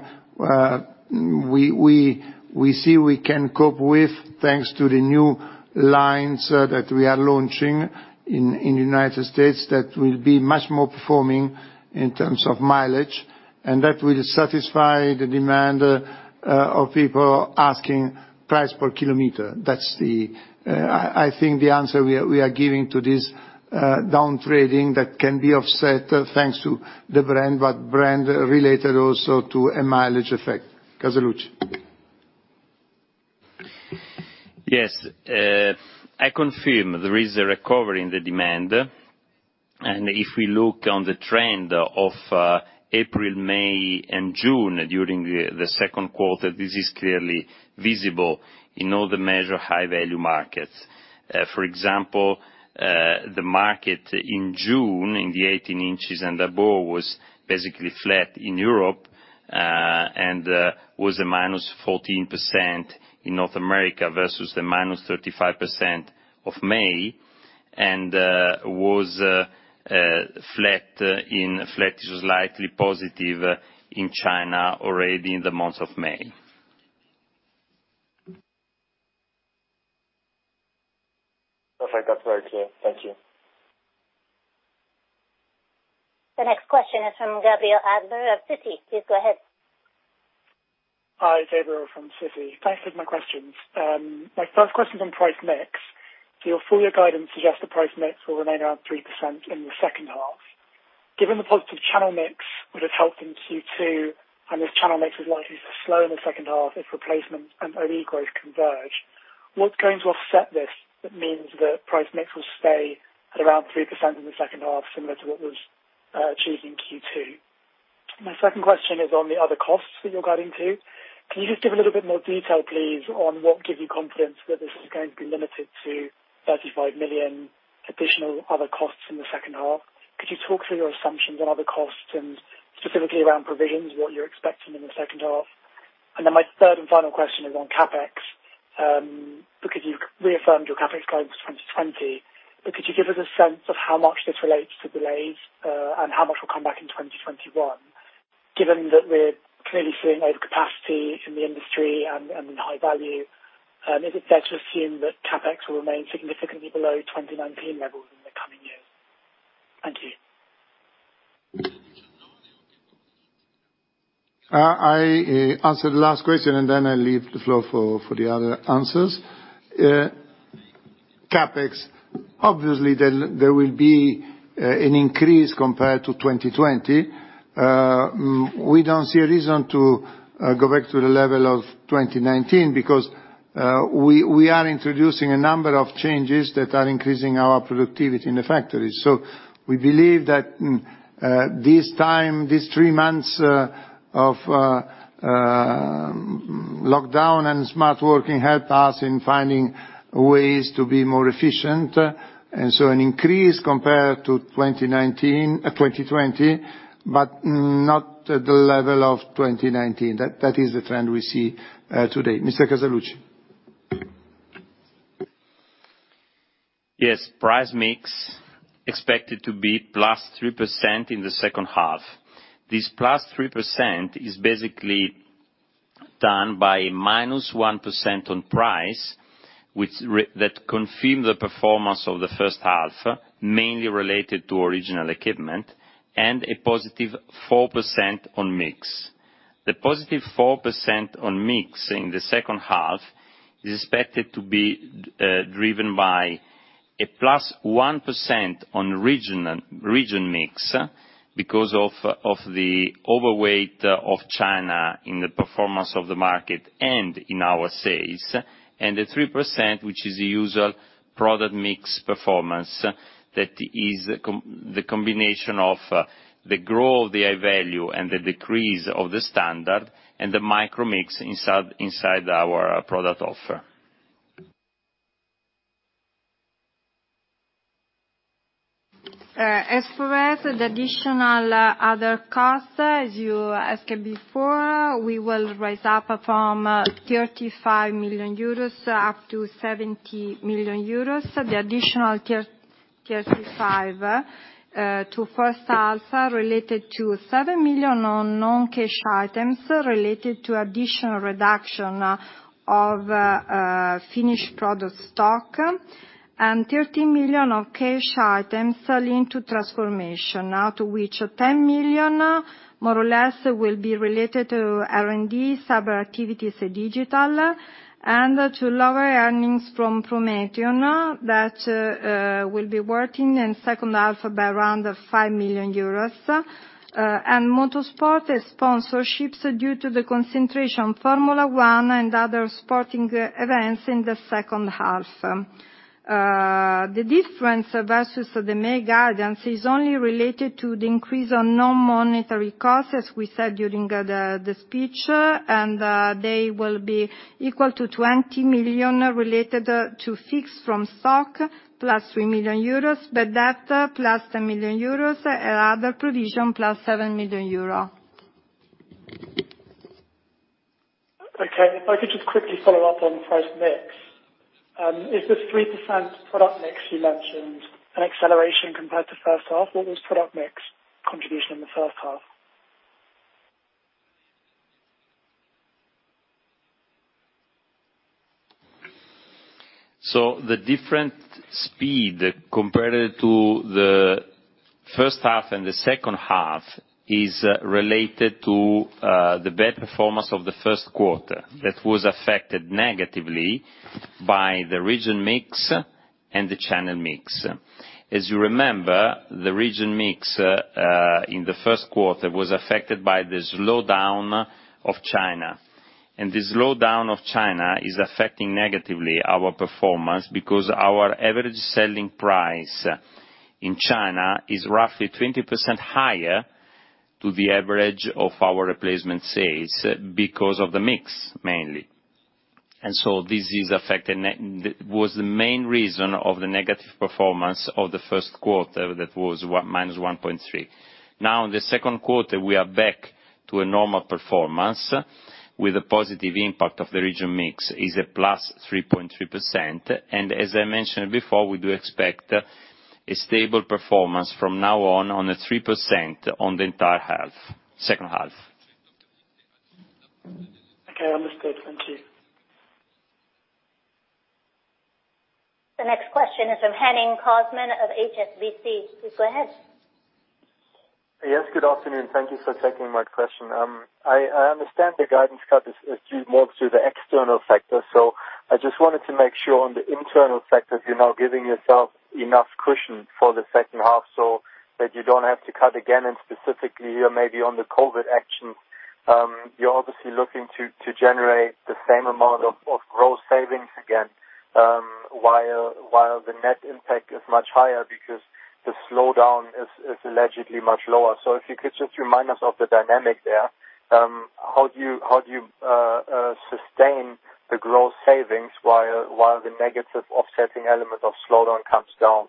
we see we can cope with, thanks to the new lines that we are launching in United States that will be much more performing in terms of mileage, and that will satisfy the demand of people asking price per kilometer. That's the answer we are giving to this down trading that can be offset, thanks to the brand, but brand related also to a mileage effect. Casaluci? Yes. I confirm there is a recovery in the demand, and if we look on the trend of April, May and June during the second quarter, this is clearly visible in all the major high-value markets. For example, the market in June, in the 18 inches and above, was basically flat in Europe, and was -14% in North America versus the -35% of May, and was flat to slightly positive in China already in the month of May. Perfect. That's very clear. Thank you. The next question is from Gabriel Adler of Citi. Please go ahead. Hi, Gabriel from Citi. Thanks for my questions. My first questions on price mix. So, your full year guidance suggests the price mix will remain around 3% in the second half. Given the positive channel mix, would have helped in Q2, and this channel mix is likely to slow in the second half if replacements and OE growth converge, what's going to offset this, that means the price mix will stay at around 3% in the second half, similar to what was achieved in Q2? My second question is on the other costs that you're guiding to. Can you just give a little bit more detail, please, on what gives you confidence that this is going to be limited to 35 million additional other costs in the second half? Could you talk through your assumptions on other costs and specifically around provisions, what you're expecting in the second half? And then my third and final question is on CapEx, because you've reaffirmed your CapEx guidance for 2020, but could you give us a sense of how much this relates to delays, and how much will come back in 2021? Given that we're clearly seeing overcapacity in the industry and in High Value, is it fair to assume that CapEx will remain significantly below 2019 levels in the coming years? Thank you. I answer the last question, and then I leave the floor for the other answers. CapEx, obviously, will be an increase compared to 2020. We don't see a reason to go back to the level of 2019 because we are introducing a number of changes that are increasing our productivity in the factory. So, we believe that this time, these three months of lockdown and smart working helped us in finding ways to be more efficient, and so an increase compared to 2019, 2020, but not at the level of 2019. That is the trend we see today. Mr. Casaluci? Yes, price mix expected to be +3% in the second half. This +3% is basically done by -1% on price, which confirms the performance of the first half, mainly related to original equipment and a +4% on mix. The +4% on mix in the second half is expected to be driven by a +1% on region mix because of the overweight of China in the performance of the market and in our sales, and the 3%, which is the usual product mix performance, that is the combination of the growth, the High Value, and the decrease of the Standard, and the micro mix inside our product offer. As for us, the additional other costs, as you asked before, we will rise up from 35 million euros up to 70 million euros. The additional 35 to first half are related to 7 million on non-cash items related to additional reduction of finished product stock, and 13 million of cash items linked to transformation. Now, to which 10 million, more or less, will be related to R&D, cyber activities, and digital, and to lower earnings from Prometeon, that will be working in second half by around 5 million euros, and motorsport sponsorships due to the concentration Formula One and other sporting events in the second half. The difference versus the May guidance is only related to the increase on non-monetary costs, as we said, during the speech, and they will be equal to 20 million related to fixed from stock, plus 3 million euros, the debt plus 10 million euros, and other provision, plus 7 million euro. Okay. If I could just quickly follow up on price mix. Is this 3% product mix you mentioned, an acceleration compared to first half? What was product mix contribution in the first half? So the different speed compared to the first half and the second half is related to the bad performance of the first quarter, that was affected negatively by the region mix and the channel mix. As you remember, the region mix in the first quarter was affected by the slowdown of China. And the slowdown of China is affecting negatively our performance because our average selling price in China is roughly 20% higher to the average of our replacement sales, because of the mix, mainly. And so this is affecting was the main reason of the negative performance of the first quarter, that was, what, -1.3. Now, in the second quarter, we are back to a normal performance with a positive impact of the region mix, is a plus 3.3%, and as I mentioned before, we do expect a stable performance from now on, on a 3% on the entire half, second half. Okay, understood. Thank you. The next question is from Henning Cosman of HSBC. Please go ahead. Yes, good afternoon. Thank you for taking my question. I understand the guidance cut is due more to the external factor, so I just wanted to make sure on the internal factors, you're now giving yourself enough cushion for the second half, so that you don't have to cut again, and specifically, or maybe on the COVID actions. You're obviously looking to generate the same amount of growth savings again, while the net impact is much higher because the slowdown is allegedly much lower. So, if you could just remind us of the dynamic there, how do you sustain the growth savings, while the negative offsetting element of slowdown comes down?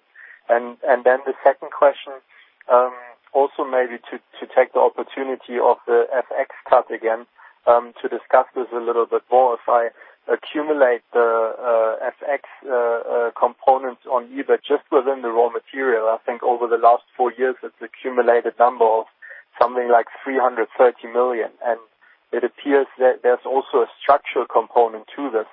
Then the second question, also maybe to take the opportunity of the FX cut again, to discuss this a little bit more. If I accumulate the FX components on EBITDA, just within the raw material, I think over the last four years, it's accumulated to something like 330 million, and it appears that there's also a structural component to this.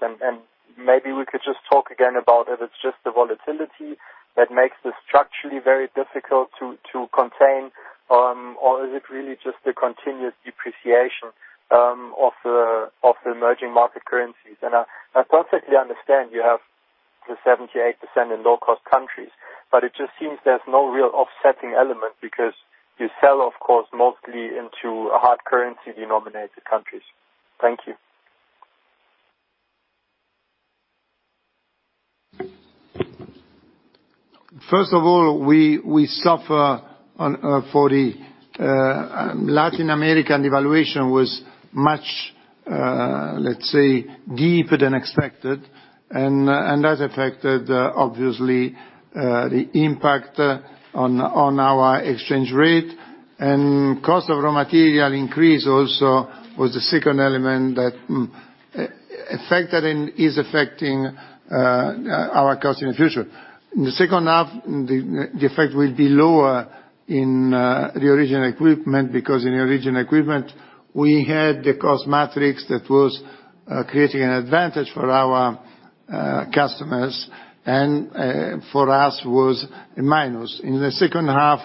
Maybe we could just talk again about if it's just the volatility that makes this structurally very difficult to contain, or is it really just the continuous depreciation of the emerging market currencies? I perfectly understand you have the 78% in low-cost countries, but it just seems there's no real offsetting element because you sell, of course, mostly into hard currency-denominated countries. Thank you. First of all, we suffer on for the Latin American devaluation was much, let's say, deeper than expected, and that affected obviously the impact on our exchange rate. Cost of raw material increase also was the second element that affected and is affecting our cost in the future. In the second half, the effect will be lower in the original equipment, because in the original equipment, we had the cost matrix that was creating an advantage for our customers, and for us, was a minus. In the second half,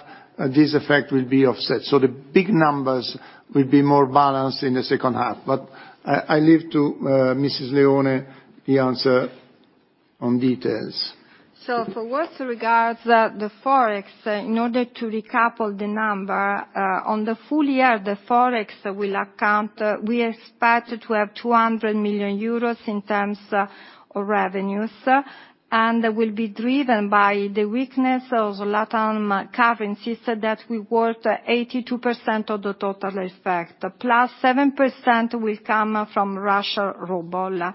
this effect will be offset, so the big numbers will be more balanced in the second half. But I leave to Mrs. Leone the answer on details. So for what regards the Forex, in order to recap the number, on the full year, the Forex will account, we expect to have 200 million euros in terms of revenues, and will be driven by the weakness of Latam currencies that will account for 82% of the total effect, plus 7% will come from Russian ruble.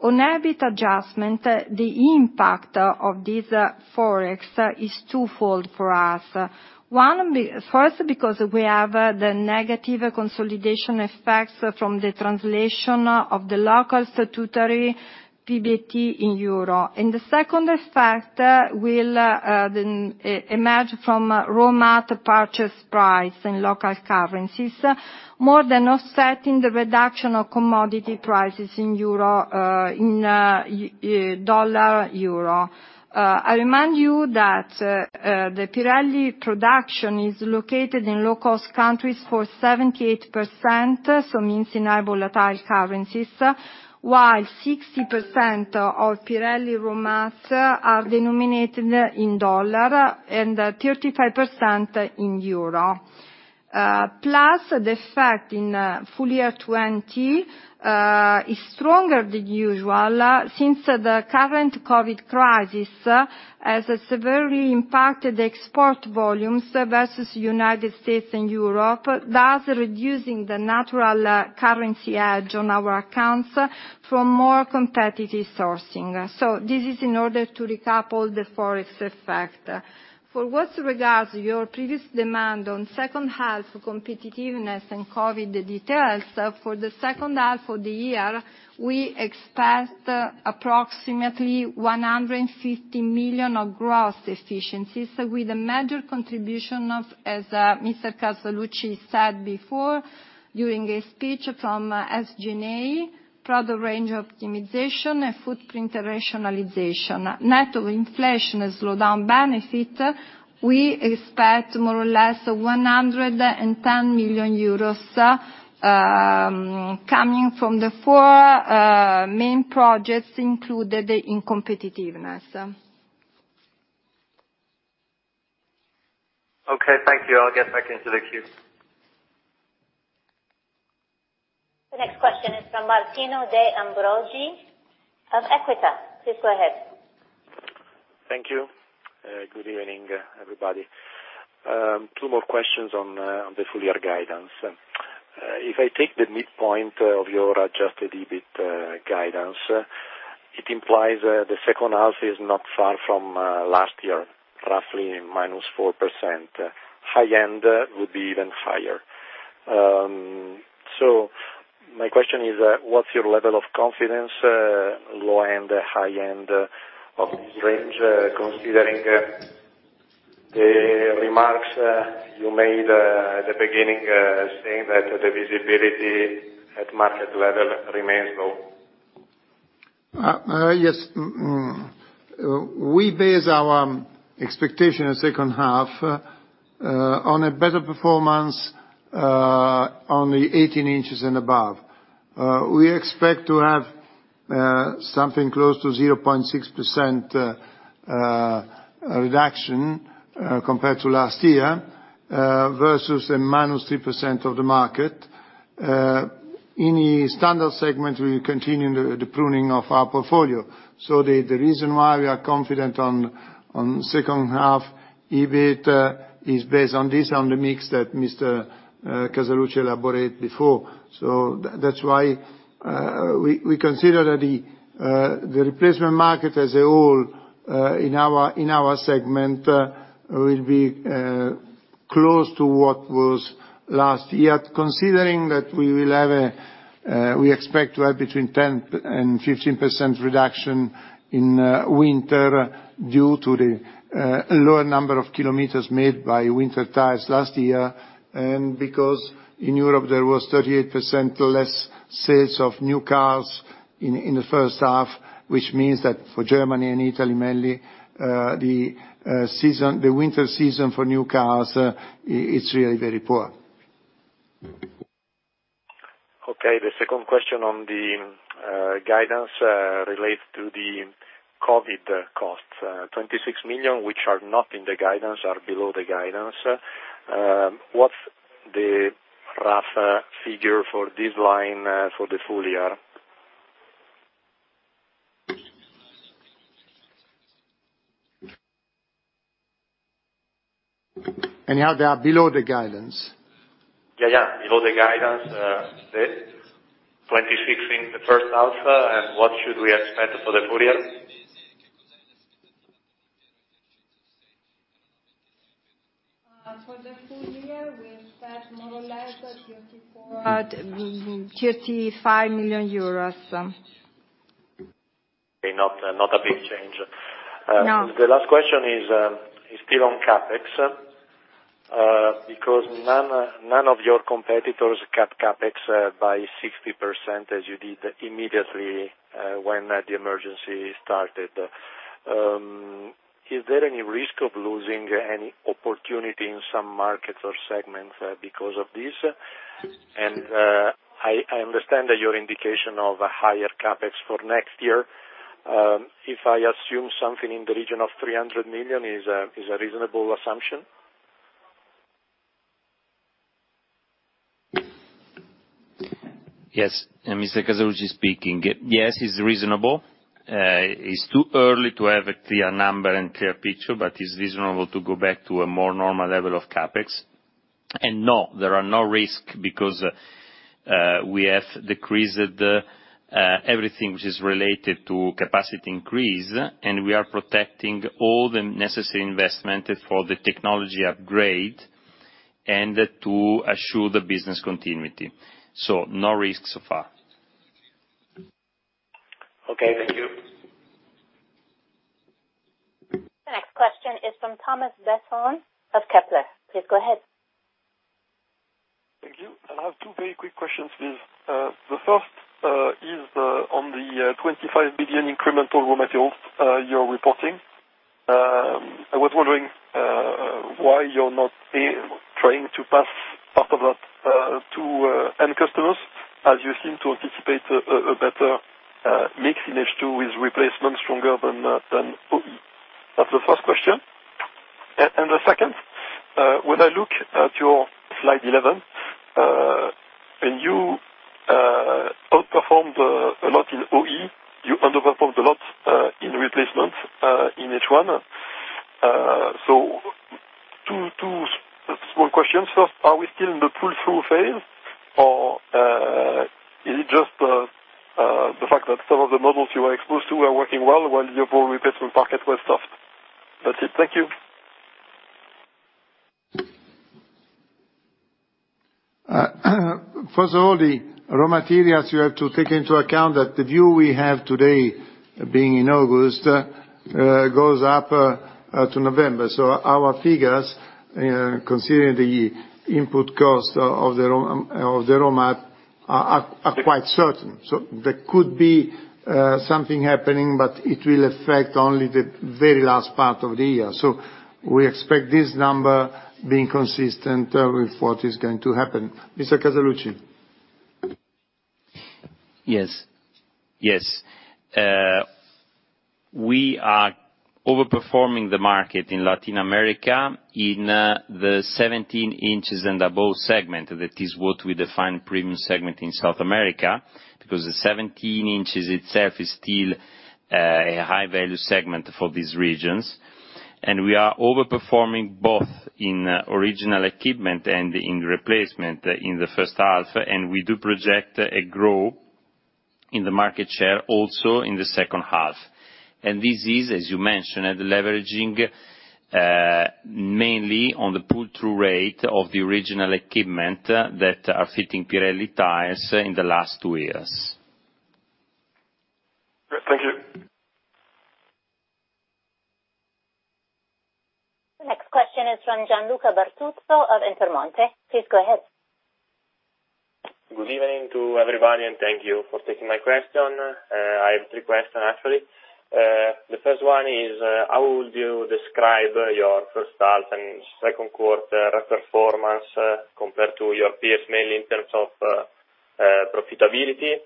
On EBIT adjustment, the impact of this Forex is twofold for us. First, because we have the negative consolidation effects from the translation of the local statutory PBT in euro. And the second effect will then emerge from raw mat purchase price in local currencies, more than offsetting the reduction of commodity prices in euro, in dollar-euro. I remind you that, the Pirelli production is located in low-cost countries for 78%, so means in high volatile currencies, while 60% of Pirelli raw mats are denominated in dollar and 35% in euro. Plus, the effect in full year 2020 is stronger than usual, since the current COVID crisis has severely impacted the export volumes versus United States and Europe, thus reducing the natural currency hedge on our accounts from more competitive sourcing. So, this is in order to recap all the Forex effect. For what regards your previous demand on second half competitiveness and COVID, the details, for the second half of the year, we expect approximately 150 millions of gross efficiencies with a major contribution of, as, Mr. Casaluci said before, during his speech from SG&A, product range optimization and footprint rationalization. Net of inflation and slowdown benefit, we expect more or less 110 million euros coming from the four main projects included in competitiveness. Okay, thank you. I'll get back into the queue. The next question is from Martino De Ambrogi of Equita. Please go ahead. Thank you. Good evening, everybody. Two more questions on the full year guidance. If I take the midpoint of your Adjusted EBIT guidance, it implies the second half is not far from last year, roughly -4%. High end would be even higher. So, my question is, what's your level of confidence, low end, high end of this range, considering the remarks you made at the beginning, saying that the visibility at market level remains low? Yes. Mmm, we base our expectation in second half on a better performance on the 18 inches and above. We expect to have something close to 0.6% reduction compared to last year versus a -3% of the market. In any Standard segment, we continue the pruning of our portfolio. So, the reason why we are confident on second half EBIT is based on this, on the mix that Mr. Casaluci elaborated before. So that's why we consider that the replacement market as a whole in our segment will be close to what was last year. Considering that we expect to have between 10%-15% reduction in winter due to the lower number of kilometers made by winter tires last year, and because in Europe there was 38% less sales of new cars in the first half, which means that for Germany and Italy, mainly, the season, the winter season for new cars, it's really very poor. Okay, the second question on the guidance relates to the COVID costs, 26 million, which are not in the guidance, or below the guidance. What's the rough figure for this line for the full year? Anyhow, they are below the guidance. Yeah, yeah, below the guidance, the 26 in the first half, and what should we expect for the full year? For the full year, we expect more or less EUR 34 million-EUR 35 million. Okay, not a big change. No. The last question is still on CapEx, because none, none of your competitors cut CapEx by 60% as you did immediately when the emergency started. Is there any risk of losing any opportunity in some markets or segments because of this? I understand that your indication of a higher CapEx for next year, if I assume something in the region of 300 million is a reasonable assumption? Yes, Mr. Casaluci speaking. Yes, it's reasonable. It's too early to have a clear number and clear picture, but it's reasonable to go back to a more normal level of CapEx. And no, there are no risk because we have decreased everything which is related to capacity increase, and we are protecting all the necessary investment for the technology upgrade... and to assure the business continuity. So, no risk so far. Okay, thank you. The next question is from Thomas Besson of Kepler Cheuvreux. Please go ahead. Thank you. I have two very quick questions, please. The first is the one on the 25 billion incremental raw materials you're reporting. I was wondering why you're not trying to pass part of that to end customers, as you seem to anticipate a better mix in H2 with replacement stronger than OE. That's the first question. And the second, when I look at your slide 11, and you outperformed a lot in OE, you underperformed a lot in replacements in H1. So, two small questions. First, are we still in the pull-through phase, or is it just the fact that some of the models you are exposed to are working well, while your whole replacement market was soft? That's it. Thank you. First of all, the raw materials, you have to take into account that the view we have today, being in August, goes up to November. So, our figures, considering the input cost of the raw materials are quite certain. So, there could be something happening, but it will affect only the very last part of the year. So, we expect this number being consistent with what is going to happen. Mr. Casaluci? Yes. Yes. We are overperforming the market in Latin America in the 17 inches and above segment. That is what we define premium segment in South America, because the 17 inches itself is still a high-value segment for these regions. And we are overperforming both in original equipment and in replacement in the first half, and we do project a growth in the market share also in the second half. And this is, as you mentioned, at leveraging mainly on the pull-through rate of the original equipment that are fitting Pirelli tires in the last two years. Thank you. The next question is from Gianluca Bertuzzo of Intermonte. Please go ahead. Good evening to everybody and thank you for taking my question. I have three questions, actually. The first one is: how would you describe your first half and second quarter performance, compared to your peers, mainly in terms of profitability?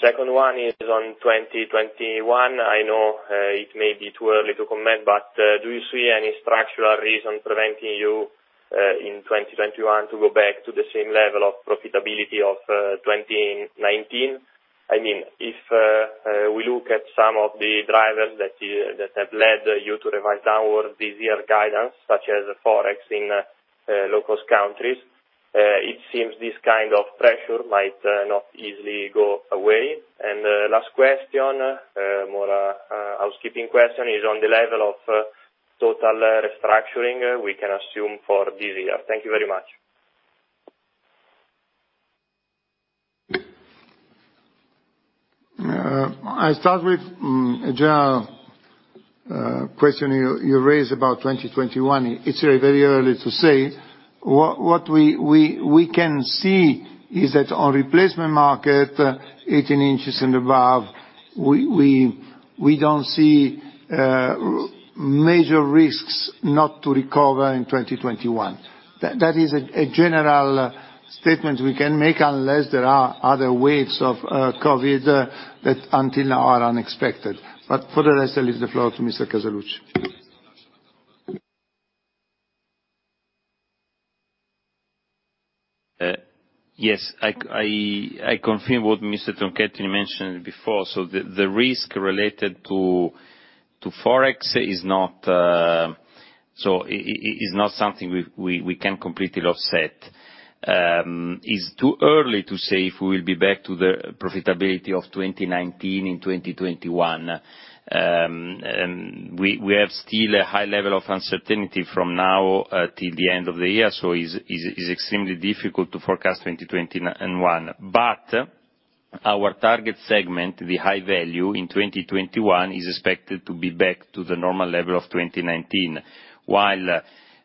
Second one is on 2021. I know it may be too early to comment, but do you see any structural reason preventing you in 2021 to go back to the same level of profitability of 2019? I mean, if we look at some of the drivers that have led you to revise downward this year guidance, such as Forex in low-cost countries, it seems this kind of pressure might not easily go away. Last question, more a housekeeping question, is on the level of total restructuring we can assume for this year. Thank you very much. I start with, general, question you, you raised about 2021. It's very, very early to say. What, what we, we, we can see is that on replacement market, 18 inches and above, we, we, we don't see, major risks not to recover in 2021. That, that is a, a general statement we can make, unless there are other waves of, COVID, that until now are unexpected. But for the rest, I leave the floor to Mr. Casaluci. Yes, I confirm what Mr. Tronchetti mentioned before. So, the risk related to Forex is not so it is not something we can completely offset. It's too early to say if we will be back to the profitability of 2019 in 2021. We have still a high level of uncertainty from now till the end of the year, so it is extremely difficult to forecast 2021. But our target segment, the High Value, in 2021, is expected to be back to the normal level of 2019. While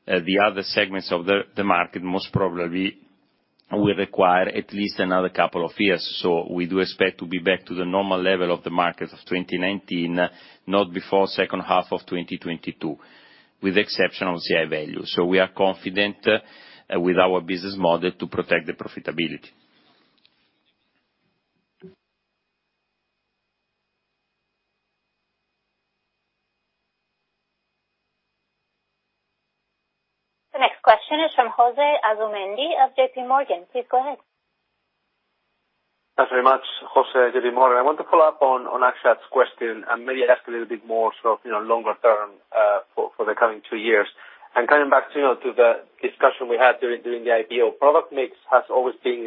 the other segments of the market most probably will require at least another couple of years. So we do expect to be back to the normal level of the market of 2019, not before second half of 2022, with the exception of High Value. So, we are confident with our business model to protect the profitability. The next question is from Jose Asumendi of J.P. Morgan. Please go ahead. Thanks very much, Jose at J.P. Morgan. I want to follow up on Akshat's question and maybe ask a little bit more sort of, you know, longer term for the coming two years. Coming back to, you know, to the discussion we had during the IPO, product mix has always been,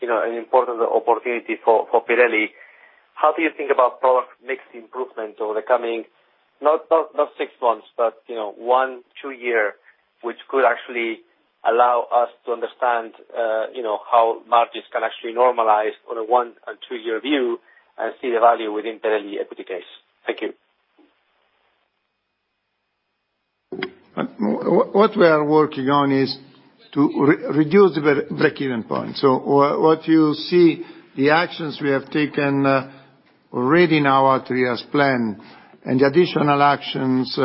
you know, an important opportunity for Pirelli.... how do you think about product mix improvement over the coming, not, not, not six months, but, you know, one, two years, which could actually allow us to understand, you know, how margins can actually normalize on a one and two-year view and see the value within Pirelli equity case? Thank you. But what we are working on is to reduce the breakeven point. So, what you see, the actions we have taken already in our three years plan and the additional actions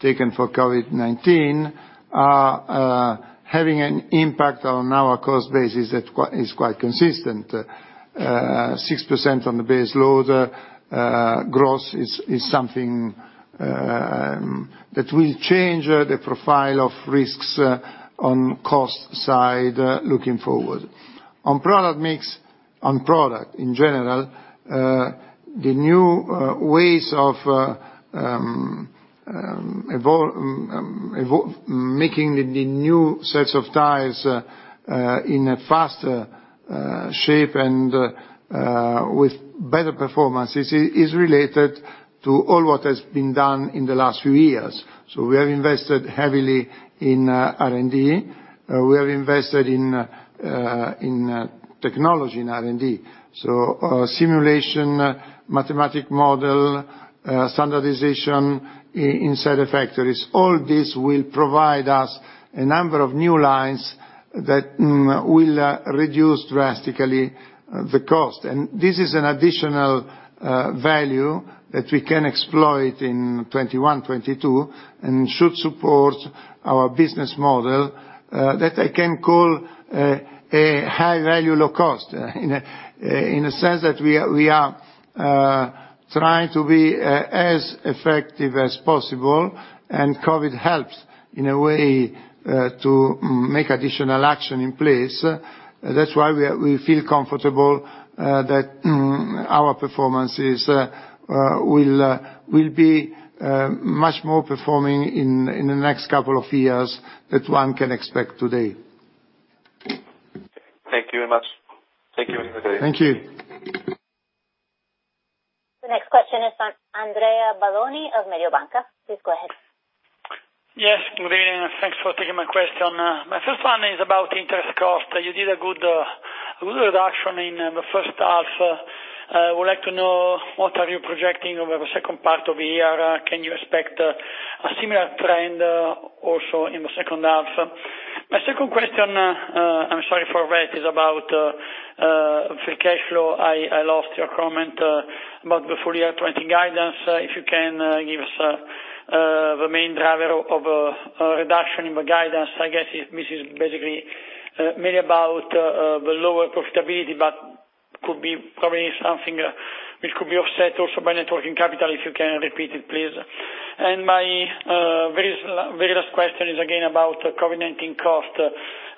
taken for COVID-19 are having an impact on our cost basis that is quite consistent. 6% on the base load, gross is something that will change the profile of risks on cost side, looking forward. On product mix, on product in general, the new ways of evolving, making the new sets of tires in a faster shape and with better performance is related to all what has been done in the last few years. So, we have invested heavily in R&D. We have invested in technology in R&D, simulation, mathematical model, standardization inside the factories. All this will provide us a number of new lines that will reduce drastically the cost. This is an additional value that we can exploit in 2021, 2022, and should support our business model that I can call a High Value, low cost in a sense that we are trying to be as effective as possible, and COVID helps in a way to make additional action in place. That's why we feel comfortable that our performance is will be much more performing in the next couple of years that one can expect today. Thank you very much. Thank you, Davide. Thank you. The next question is from Andrea Balloni of Mediobanca. Please go ahead. Yes, good day, and thanks for taking my question. My first one is about interest cost. You did a good reduction in the first half. I would like to know, what are you projecting over the second part of the year? Can you expect a similar trend also in the second half? My second question, I'm sorry for that, is about free cash flow. I lost your comment about the full year 2020 guidance. If you can give us the main driver of a reduction in the guidance. I guess it, this is basically maybe about the lower profitability, but could be probably something which could be offset also by net working capital, if you can repeat it, please. My very last question is again about COVID-19 cost.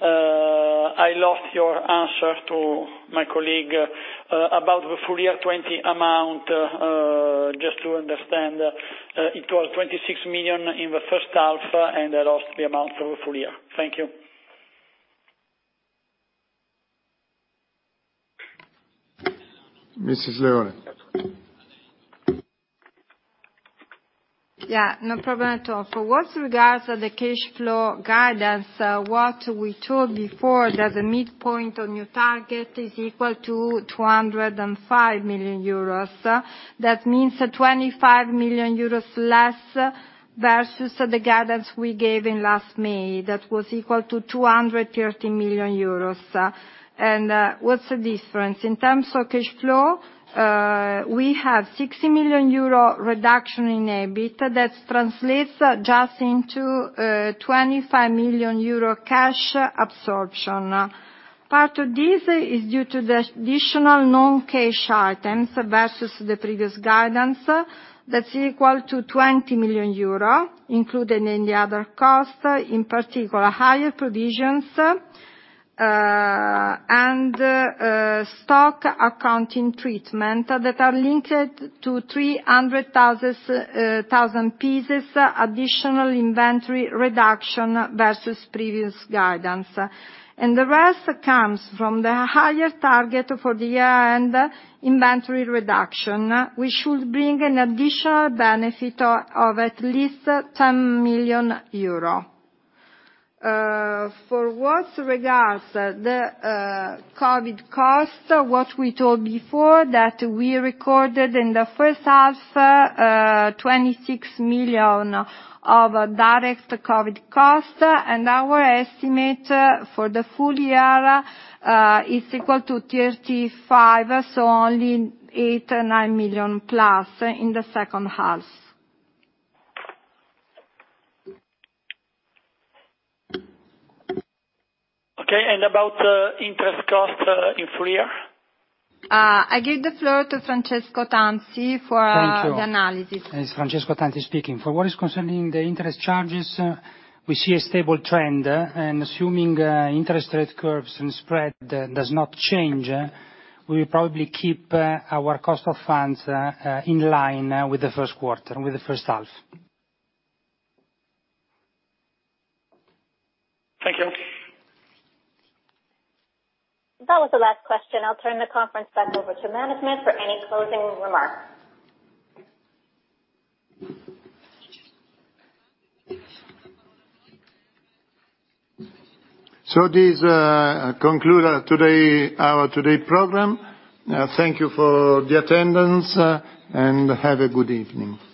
I lost your answer to my colleague about the full year '20 amount. Just to understand, it was 26 million in the first half, and I lost the amount for the full year. Thank you. Mrs. Leone? Yeah, no problem at all. For what regards the cash flow guidance, what we told before, that the midpoint on your target is equal to 205 million euros. That means 25 million euros less versus the guidance we gave in last May, that was equal to 230 million euros. And, what's the difference? In terms of cash flow, we have 60 million euro reduction in EBIT, that translates just into, twenty-five million euro cash absorption. Part of this is due to the additional non-cash items versus the previous guidance, that's equal to 20 million euro, included in the other costs, in particular, higher provisions, and, stock accounting treatment that are linked to 300,000 pieces, additional inventory reduction versus previous guidance. The rest comes from the higher target for the year-end inventory reduction, which should bring an additional benefit of at least 10 million euro. For what regards the COVID cost, what we told before, that we recorded in the first half 26 million of direct COVID cost, and our estimate for the full year is equal to 35 million, so only 8-9 million plus in the second half. Okay, and about interest cost in full year? I give the floor to Francesco Tanzi for- Thank you. - the analysis. It's Francesco Tanzi speaking. For what is concerning the interest charges, we see a stable trend, and assuming, interest rate curves and spread does not change, we will probably keep, our cost of funds, in line with the first quarter, with the first half. Thank you. That was the last question. I'll turn the conference back over to management for any closing remarks. So this conclude today our today program. Thank you for the attendance and have a good evening.